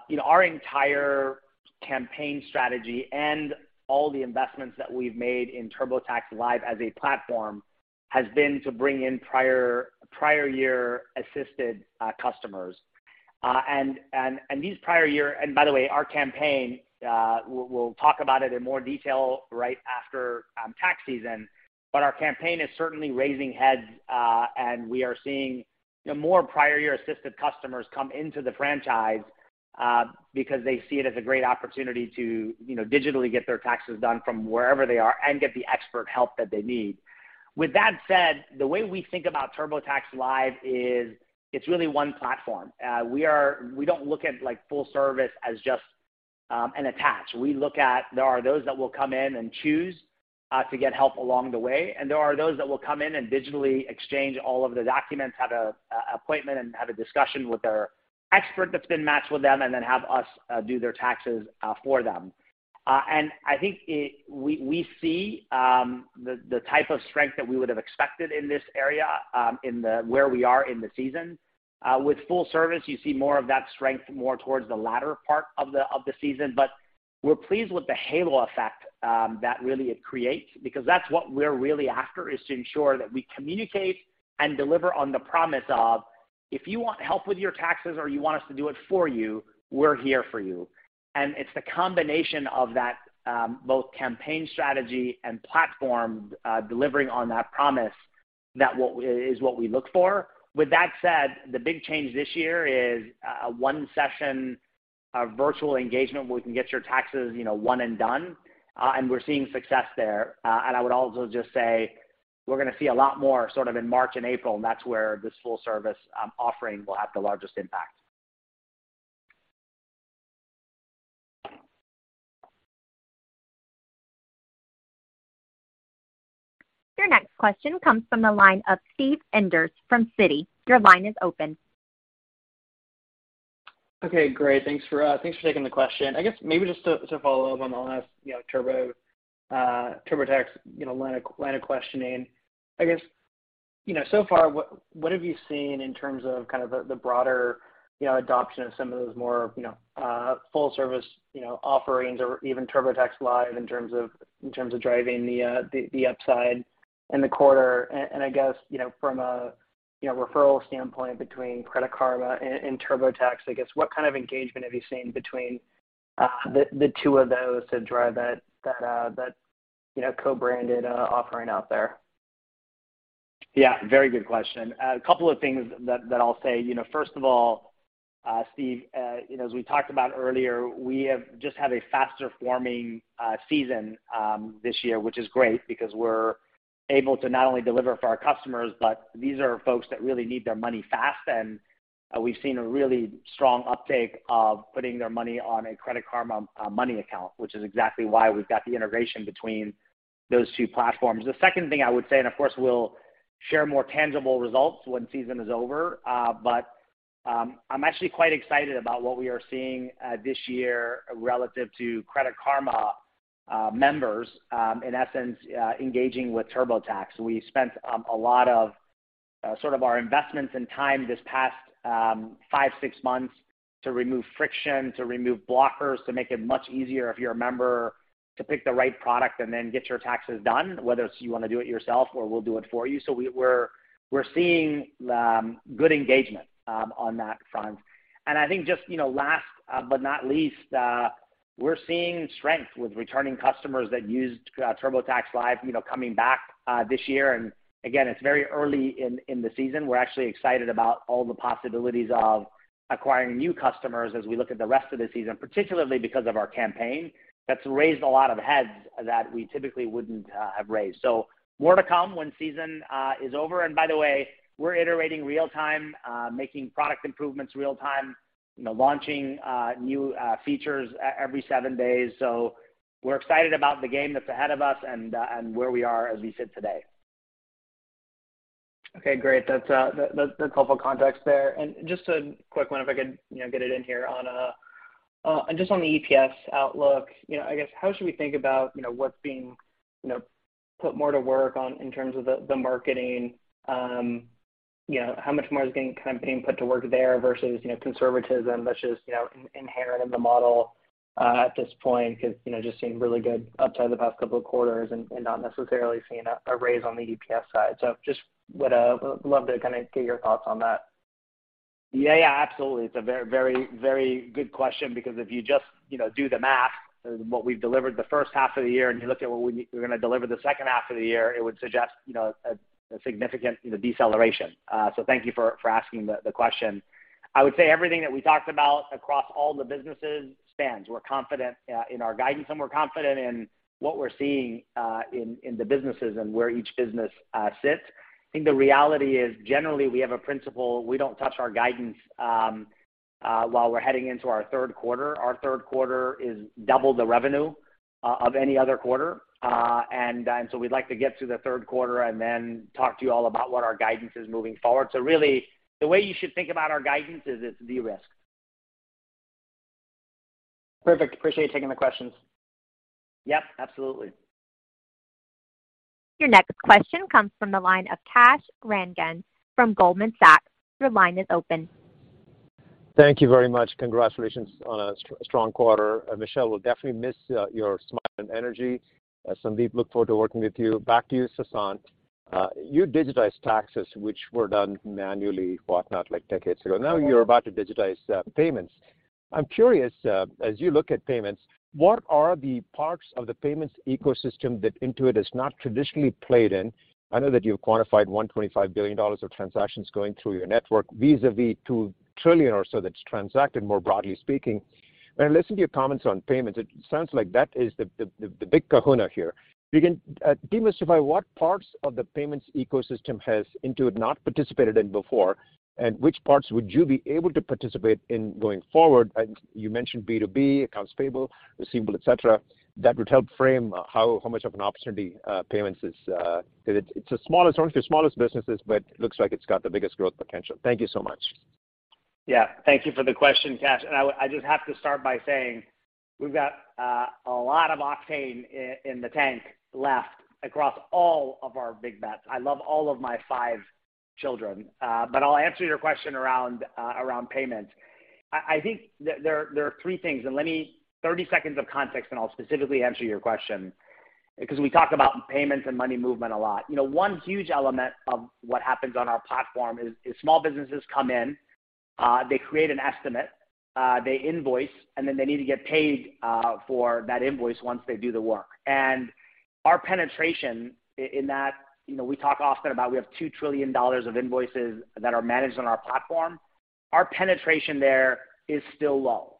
you know, our entire campaign strategy and all the investments that we've made in TurboTax Live as a platform has been to bring in prior year assisted customers. By the way, our campaign, we'll talk about it in more detail right after tax season. Our campaign is certainly raising heads, and we are seeing, you know, more prior year assisted customers come into the franchise because they see it as a great opportunity to, you know, digitally get their taxes done from wherever they are and get the expert help that they need. With that said, the way we think about TurboTax Live is it's really one platform. We don't look at like full service as just and attach. We look at there are those that will come in and choose to get help along the way, and there are those that will come in and digitally exchange all of the documents, have an appointment, and have a discussion with their expert that's been matched with them, and then have us do their taxes for them. I think we see the type of strength that we would have expected in this area in the where we are in the season. With full service, you see more of that strength more towards the latter part of the season. We're pleased with the halo effect that really it creates because that's what we're really after, is to ensure that we communicate and deliver on the promise of, if you want help with your taxes or you want us to do it for you, we're here for you. It's the combination of that, both campaign strategy and platform, delivering on that promise is what we look for. With that said, the big change this year is a one session virtual engagement where we can get your taxes, you know, one and done, and we're seeing success there. I would also just say we're gonna see a lot more sort of in March and April, and that's where this full service offering will have the largest impact. Your next question comes from the line of Steve Enders from Citi. Your line is open. Okay, great. Thanks for taking the question. I guess maybe just to follow up on the last, you know, TurboTax, you know, line of questioning. I guess, you know, so far, what have you seen in terms of kind of the broader, you know, adoption of some of those more, you know, full service, you know, offerings or even TurboTax Live in terms of driving the upside in the quarter? I guess, you know, from a, you know, referral standpoint between Credit Karma and TurboTax, I guess what kind of engagement have you seen between the two of those to drive that, you know, co-branded offering out there? Yeah, very good question. A couple of things that I'll say. You know, first of all, Steve, you know, as we talked about earlier, we have just had a faster forming season this year, which is great because we're able to not only deliver for our customers, but these are folks that really need their money fast. We've seen a really strong uptake of putting their money on a Credit Karma Money account, which is exactly why we've got the integration between those two platforms. The second thing I would say. Of course, we'll share more tangible results when season is over, but I'm actually quite excited about what we are seeing this year relative to Credit Karma members, in essence, engaging with TurboTax. We spent a lot of sort of our investments and time this past five, six months to remove friction, to remove blockers, to make it much easier if you're a member to pick the right product and then get your taxes done, whether it's you wanna do it yourself or we'll do it for you. We're seeing good engagement on that front. I think just, you know, last but not least, we're seeing strength with returning customers that used TurboTax Live, you know, coming back this year. Again, it's very early in the season. We're actually excited about all the possibilities of acquiring new customers as we look at the rest of the season, particularly because of our campaign. That's raised a lot of heads that we typically wouldn't have raised. More to come when season is over. By the way, we're iterating real-time, making product improvements real-time, you know, launching new features every seven days. We're excited about the game that's ahead of us and where we are as we sit today. Okay, great. That's, that's helpful context there. Just a quick one, if I could, you know, get it in here on, just on the EPS outlook. You know, I guess how should we think about, you know, what's being, you know, put more to work on in terms of the marketing? You know, how much more is being kind of put to work there versus, you know, conservatism that's just, you know, inherent in the model, at this point? 'Cause, you know, just seeing really good upside the past couple of quarters and not necessarily seeing a raise on the EPS side. Just would love to kinda get your thoughts on that? Yeah, absolutely. It's a very, very, very good question because if you just, you know, do the math, what we've delivered the first half of the year and you look at what we're gonna deliver the second half of the year, it would suggest, you know, a significant, you know, deceleration. Thank you for asking the question. I would say everything that we talked about across all the businesses spans. We're confident in our guidance, and we're confident in what we're seeing in the businesses and where each business sits. I think the reality is, generally, we have a principle. We don't touch our guidance while we're heading into our third quarter. Our Q3 is double the revenue of any other quarter. We'd like to get to the third quarter and then talk to you all about what our guidance is moving forward. Really, the way you should think about our guidance is, it's de-risk. Perfect. Appreciate you taking the questions. Yep, absolutely. Your next question comes from the line of Kash Rangan from Goldman Sachs. Your line is open. Thank you very much. Congratulations on a strong quarter. Michelle, we'll definitely miss your smile and energy. Sandeep, look forward to working with you. Back to you, Sasan. You digitized taxes, which were done manually, whatnot, like decades ago. Now you're about to digitize payments. I'm curious, as you look at payments, what are the parts of the payments ecosystem that Intuit has not traditionally played in? I know that you've quantified $125 billion of transactions going through your network, vis-à-vis $2 trillion or so that's transacted, more broadly speaking. When I listen to your comments on payments, it sounds like that is the big kahuna here. If you can, demystify what parts of the payments ecosystem has Intuit not participated in before, and which parts would you be able to participate in going forward? You mentioned B2B, accounts payable, receivable, et cetera. That would help frame how much of an opportunity, Payments is. 'Cause it's the smallest, one of your smallest businesses, but looks like it's got the biggest growth potential. Thank you so much. Yeah. Thank you for the question, Kash. I just have to start by saying we've got a lot of octane in the tank left across all of our big bets. I love all of my five children. I'll answer your question around payment. I think there are three things, and let me 30 seconds of context, and I'll specifically answer your question because we talk about payments and money movement a lot. You know, one huge element of what happens on our platform is small businesses come in, they create an estimate, they invoice, and then they need to get paid for that invoice once they do the work. Our penetration in that, you know, we talk often about we have $2 trillion of invoices that are managed on our platform. Our penetration there is still low.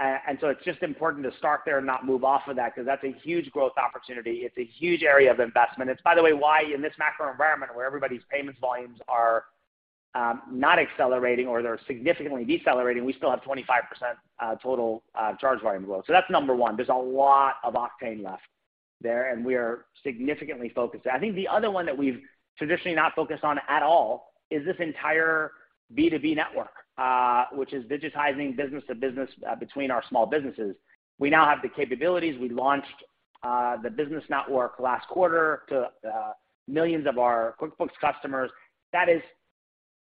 It's just important to start there and not move off of that because that's a huge growth opportunity. It's a huge area of investment. It's by the way, why in this macro environment where everybody's Payments volumes are not accelerating or they're significantly decelerating, we still have 25% total charge volume growth. That's number one. There's a lot of octane left there. We are significantly focused. I think the other one that we've traditionally not focused on at all is this entire B2B network, which is digitizing business to business between our small businesses. We now have the capabilities. We launched the business network last quarter to millions of our QuickBooks customers. That is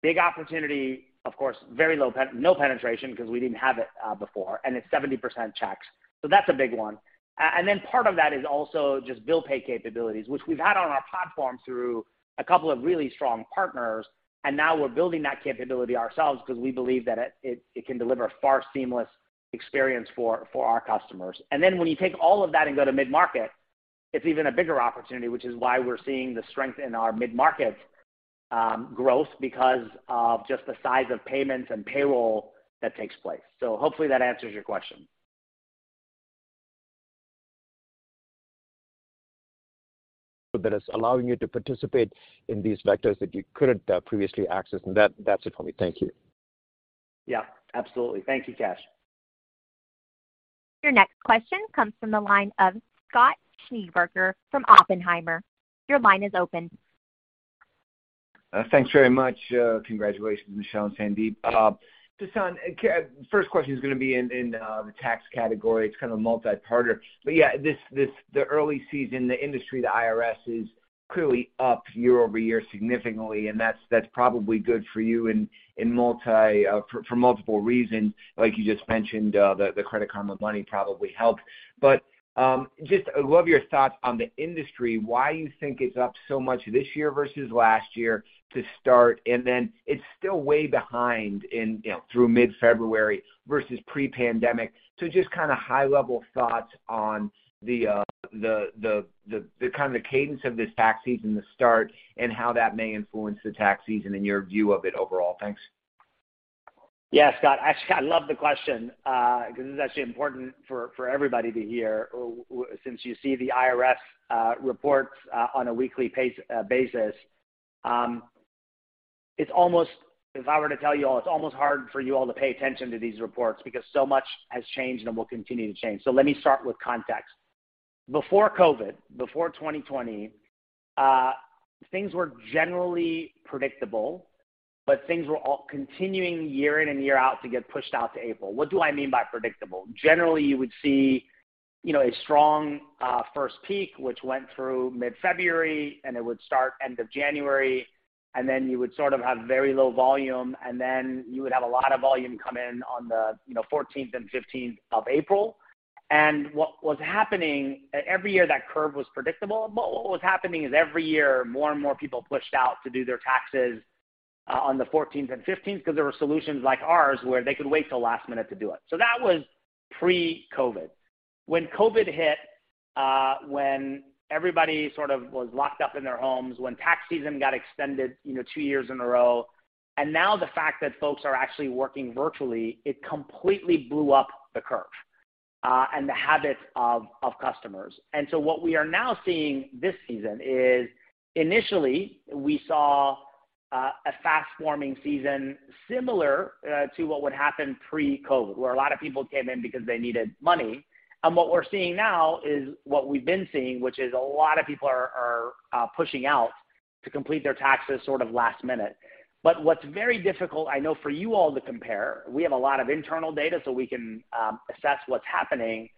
big opportunity. Of course, very low no penetration 'cause we didn't have it before, and it's 70% checks. That's a big one. Part of that is also just bill pay capabilities, which we've had on our platform through a couple of really strong partners, and now we're building that capability ourselves because we believe that it can deliver a far seamless experience for our customers. When you take all of that and go to mid-market, it's even a bigger opportunity, which is why we're seeing the strength in our mid-market growth because of just the size of Payments and Payroll that takes place. Hopefully that answers your question. That is allowing you to participate in these vectors that you couldn't, previously access. That's it for me. Thank you. Yeah, absolutely. Thank you, Kash. Your next question comes from the line of Scott Schneeberger from Oppenheimer. Your line is open. Thanks very much. Congratulations, Michelle and Sandeep. Just on, first question is gonna be in the tax category. It's kind of multi-part. Yeah, this the early season, the industry, the IRS is clearly up year-over-year significantly, and that's probably good for you in multi, for multiple reasons. Like you just mentioned, the Credit Karma Money probably helped. Just would love your thoughts on the industry, why you think it's up so much this year versus last year to start, and then it's still way behind in, you know, through mid-February versus pre-pandemic. Just kinda high level thoughts on the kinda the cadence of this tax season, the start, and how that may influence the tax season and your view of it overall. Thanks. Yeah, Scott. Actually, Scott, I love the question, 'cause it's actually important for everybody to hear since you see the IRS reports on a weekly pace basis. It's almost if I were to tell you all, it's almost hard for you all to pay attention to these reports because so much has changed and will continue to change. Let me start with context. Before COVID, before 2020, things were generally predictable, things were all continuing year in and year out to get pushed out to April. What do I mean by predictable? Generally, you would see, you know, a strong first peak, which went through mid-February, and it would start end of January, and then you would sort of have very low volume, and then you would have a lot of volume come in on the, you know, 14th and 15th of April. What was happening, every year, that curve was predictable, but what was happening is every year, more and more people pushed out to do their taxes on the 14th and 15th because there were solutions like ours where they could wait till last minute to do it. That was pre-COVID. When COVID hit, when everybody sort of was locked up in their homes, when tax season got extended, you know, two years in a row, now the fact that folks are actually working virtually, it completely blew up the curve and the habits of customers. What we are now seeing this season is initially we saw a fast-forming season similar to what would happen pre-COVID, where a lot of people came in because they needed money. What we're seeing now is what we've been seeing, which is a lot of people are pushing out to complete their taxes sort of last minute. What's very difficult, I know for you all to compare, we have a lot of internal data, so we can assess what's happening,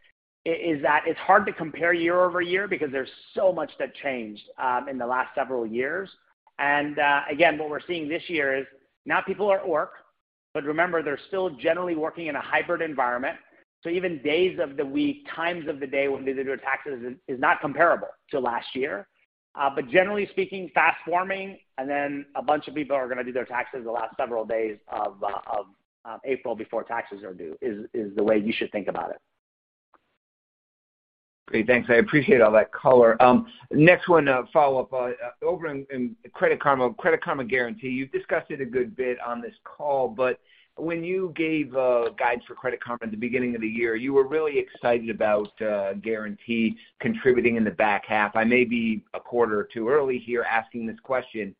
is that it's hard to compare year-over-year because there's so much that changed in the last several years. Again, what we're seeing this year is now people are at work, but remember, they're still generally working in a hybrid environment. Even days of the week, times of the day when they do their taxes is not comparable to last year. Generally speaking, fast forming, and then a bunch of people are gonna do their taxes the last several days of April before taxes are due is the way you should think about it. Great. Thanks. I appreciate all that color. Next one, follow-up. Over in Credit Karma, Credit Karma Guarantee, you've discussed it a good bit on this call, but when you gave guide for Credit Karma at the beginning of the year, you were really excited about Karma Guarantee contributing in the back half. I may be a quarter or two early here asking this question.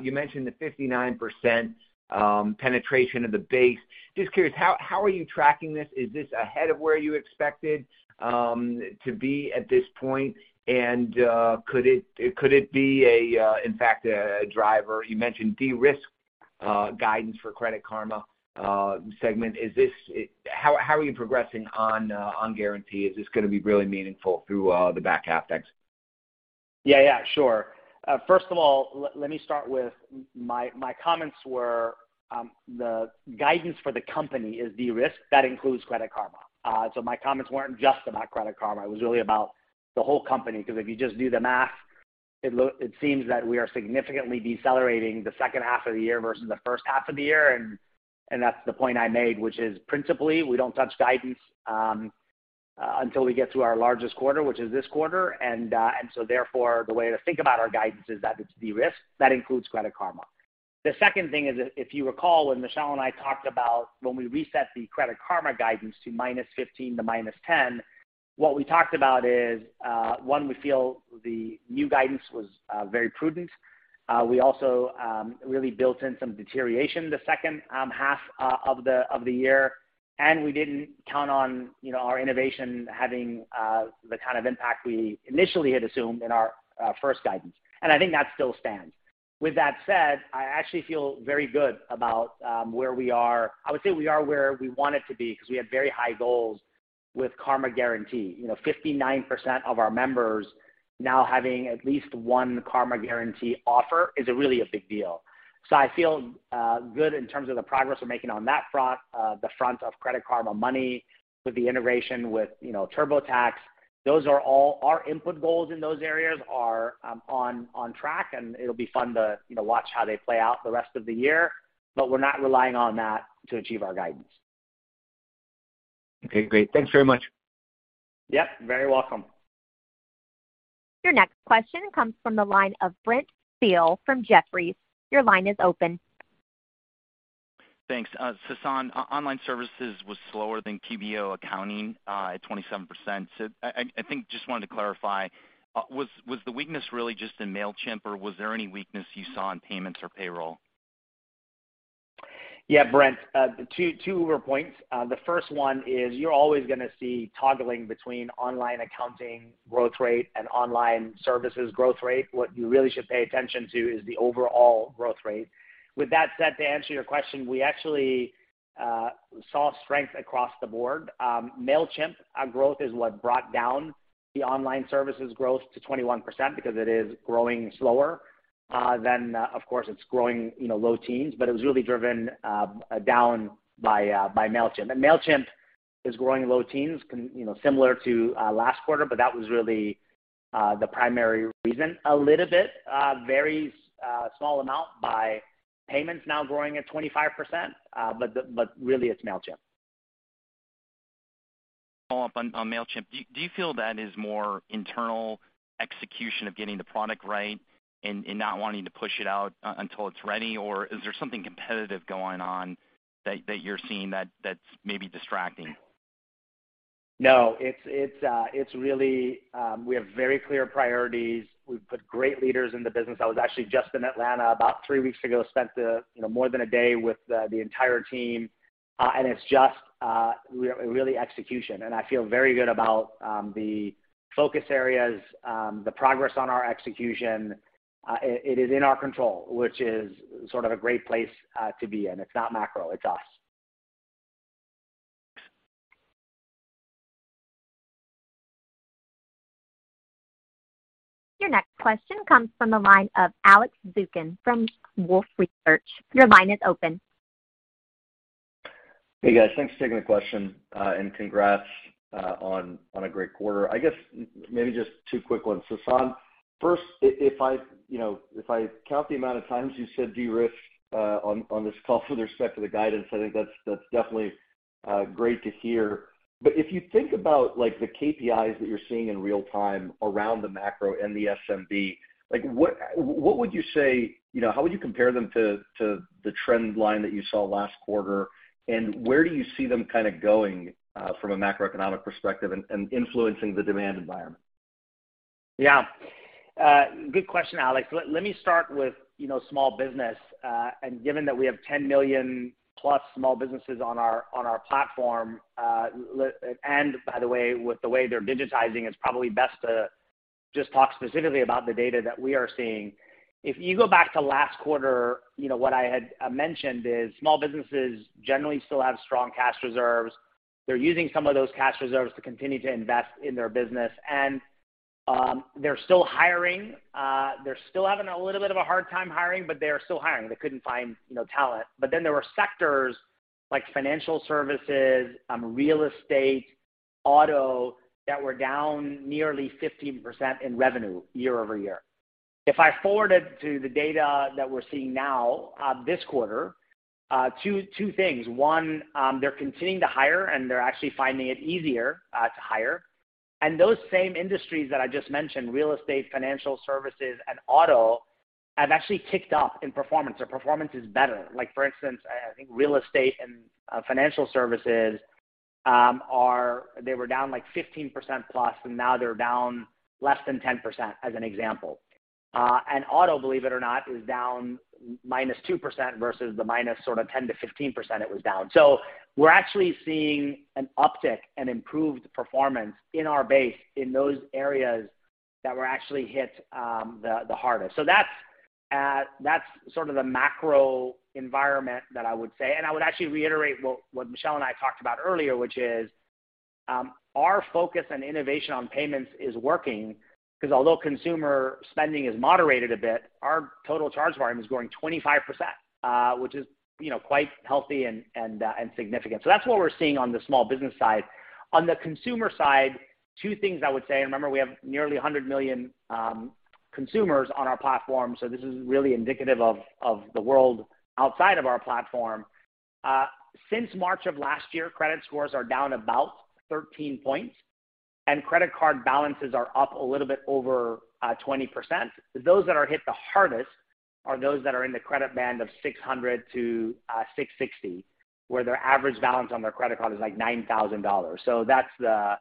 You mentioned the 59% penetration of the base. Just curious, how are you tracking this? Is this ahead of where you expected to be at this point? Could it be, in fact, a driver? You mentioned de-risk guidance for Credit Karma segment. Is this? How are you progressing on Karma Guarantee? Is this gonna be really meaningful through the back half? Thanks. Yeah, sure. First of all, let me start with my comments were, the guidance for the company is the risk that includes Credit Karma. My comments weren't just about Credit Karma, it was really about the whole company, because if you just do the math, it seems that we are significantly decelerating the second half of the year versus the first half of the year, and that's the point I made, which is principally we don't touch guidance until we get to our largest quarter, which is this quarter. Therefore, the way to think about our guidance is that it's the risk that includes Credit Karma. The second thing is if you recall, when Michelle and I talked about when we reset the Credit Karma guidance to -15% to -10%, what we talked about is, one, we feel the new guidance was very prudent. We also really built in some deterioration the second half of the year, we didn't count on, you know, our innovation having the kind of impact we initially had assumed in our first guidance. I think that still stands. With that said, I actually feel very good about where we are. I would say we are where we wanted to be because we had very high goals with Karma Guarantee. You know, 59% of our members now having at least one Karma Guarantee offer is really a big deal. I feel good in terms of the progress we're making on that front, the front of Credit Karma Money with the integration with, you know, TurboTax. Our input goals in those areas are on track, and it'll be fun to, you know, watch how they play out the rest of the year, but we're not relying on that to achieve our guidance. Okay, great. Thanks very much. Yep, very welcome. Your next question comes from the line of Brent Thill from Jefferies. Your line is open. Thanks. Sasan Goodarzi, Online Services was slower than QBO accounting at 27%. I think just wanted to clarify, was the weakness really just in Mailchimp, or was there any weakness you saw in Payments or Payroll? Brent, two points. The first one is you're always gonna see toggling between online accounting growth rate and online services growth rate. What you really should pay attention to is the overall growth rate. With that said, to answer your question, we actually saw strength across the board. Mailchimp growth is what brought down the online services growth to 21% because it is growing slower than, of course, it's growing, you know, low teens. It was really driven down by Mailchimp. Mailchimp is growing low teens, you know, similar to last quarter, but that was really the primary reason. A little bit, very small amount by Payments now growing at 25%. Really, it's Mailchimp. Follow-up on Mailchimp. Do you feel that is more internal execution of getting the product right and not wanting to push it out until it's ready, or is there something competitive going on that you're seeing that's maybe distracting? No. It's really. We have very clear priorities. We've put great leaders in the business. I was actually just in Atlanta about three weeks ago, spent, you know, more than a day with the entire team. It's just really execution. I feel very good about the focus areas, the progress on our execution. It is in our control, which is sort of a great place to be in. It's not macro, it's us. Your next question comes from the line of Alex Zukin from Wolfe Research. Your line is open. Hey, guys. Thanks for taking the question, and congrats on a great quarter. I guess maybe just two quick ones. Sasan, first, if I, you know, if I count the amount of times you said de-risk on this call with respect to the guidance, I think that's definitely great to hear. If you think about like the KPIs that you're seeing in real time around the macro and the SMB, like what would you say, you know, how would you compare them to the trend line that you saw last quarter, and where do you see them kinda going from a macroeconomic perspective and influencing the demand environment? Yeah. Good question, Alex. Let me start with, you know, small business, and given that we have 10 million plus small businesses on our platform, and by the way, with the way they're digitizing, it's probably best to just talk specifically about the data that we are seeing. If you go back to last quarter, you know, what I had mentioned is small businesses generally still have strong cash reserves. They're using some of those cash reserves to continue to invest in their business, and, they're still hiring. They're still having a little bit of a hard time hiring, but they are still hiring. They couldn't find, you know, talent. There were sectors like financial services, real estate, auto that were down nearly 15% in revenue year-over-year. If I forward it to the data that we're seeing now, this quarter, two things. One, they're continuing to hire, they're actually finding it easier to hire. Those same industries that I just mentioned, real estate, financial services, and auto, have actually ticked up in performance. Their performance is better. Like for instance, I think real estate and financial services, they were down like 15%+ and now they're down less than 10%, as an example. Auto, believe it or not, is down -2% versus the minus sort of 10%-15% it was down. We're actually seeing an uptick and improved performance in our base in those areas that were actually hit the hardest. That's sort of the macro environment that I would say. I would actually reiterate what Michelle and I talked about earlier, which is, our focus and innovation on payments is working because although consumer spending has moderated a bit, our total charge volume is growing 25%, which is, you know, quite healthy and significant. That's what we're seeing on the small business side. On the consumer side, two things I would say. Remember, we have nearly 100 million consumers on our platform, so this is really indicative of the world outside of our platform. Since March of last year, credit scores are down about 13 points, and credit card balances are up a little bit over 20%. Those that are hit the hardest are those that are in the credit band of 600-660, where their average balance on their credit card is like $9,000. That's the,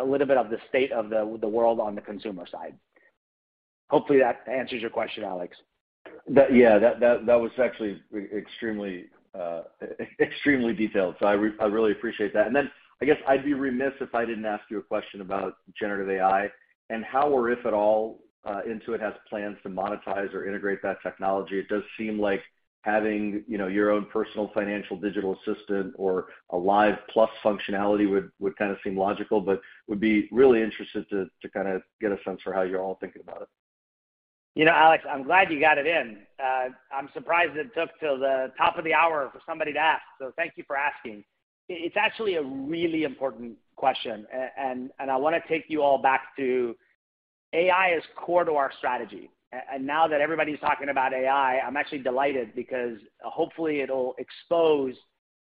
a little bit of the state of the world on the consumer side. Hopefully that answers your question, Alex. That, yeah, that was actually extremely detailed, so I really appreciate that. Then I guess I'd be remiss if I didn't ask you a question about generative AI and how or if at all, Intuit has plans to monetize or integrate that technology. It does seem like having, you know, your own personal financial digital assistant or a Live functionality would kinda seem logical, but would be really interested to kinda get a sense for how you're all thinking about it. You know, Alex, I'm glad you got it in. I'm surprised it took till the top of the hour for somebody to ask, thank you for asking. It's actually a really important question, I wanna take you all back to AI is core to our strategy. Now that everybody's talking about AI, I'm actually delighted because hopefully it'll expose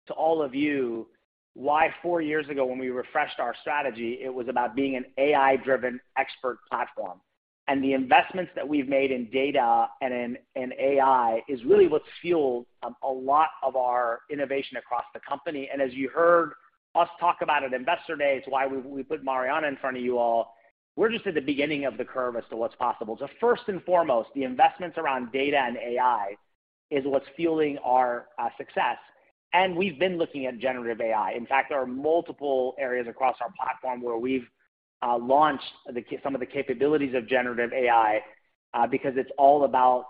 to all of you why four years ago when we refreshed our strategy it was about being an AI-driven expert platform. The investments that we've made in data and in AI is really what's fueled a lot of our innovation across the company. As you heard us talk about at Investor Day, it's why we put Marianna in front of you all. We're just at the beginning of the curve as to what's possible. First and foremost, the investments around data and AI is what's fueling our success. We've been looking at generative AI. In fact, there are multiple areas across our platform where we've launched some of the capabilities of generative AI because it's all about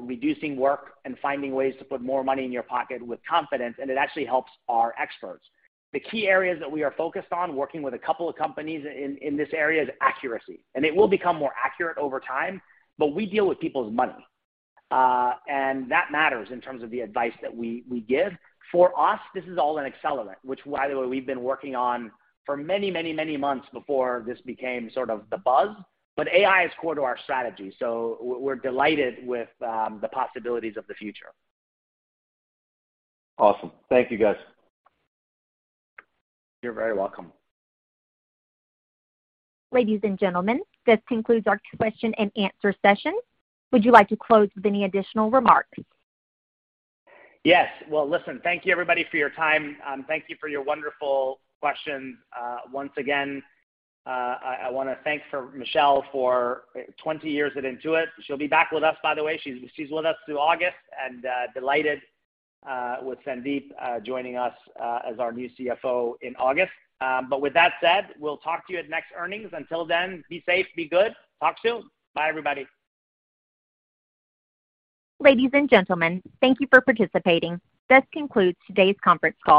reducing work and finding ways to put more money in your pocket with confidence. It actually helps our experts. The key areas that we are focused on working with a couple of companies in this area is accuracy. It will become more accurate over time, but we deal with people's money, and that matters in terms of the advice that we give. For us, this is all an accelerant, which by the way, we've been working on for many months before this became sort of the buzz. AI is core to our strategy, so we're delighted with the possibilities of the future. Awesome. Thank you guys. You're very welcome. Ladies and gentlemen, this concludes our question and answer session. Would you like to close with any additional remarks? Yes. Well, listen, thank you everybody for your time. Thank you for your wonderful questions. Once again, I wanna thank Michelle for 20 years at Intuit. She'll be back with us, by the way. She's with us through August and delighted with Sandeep joining us as our new CFO in August. With that said, we'll talk to you at next earnings. Until then, be safe, be good. Talk soon. Bye everybody. Ladies and gentlemen, thank you for participating. This concludes today's conference call.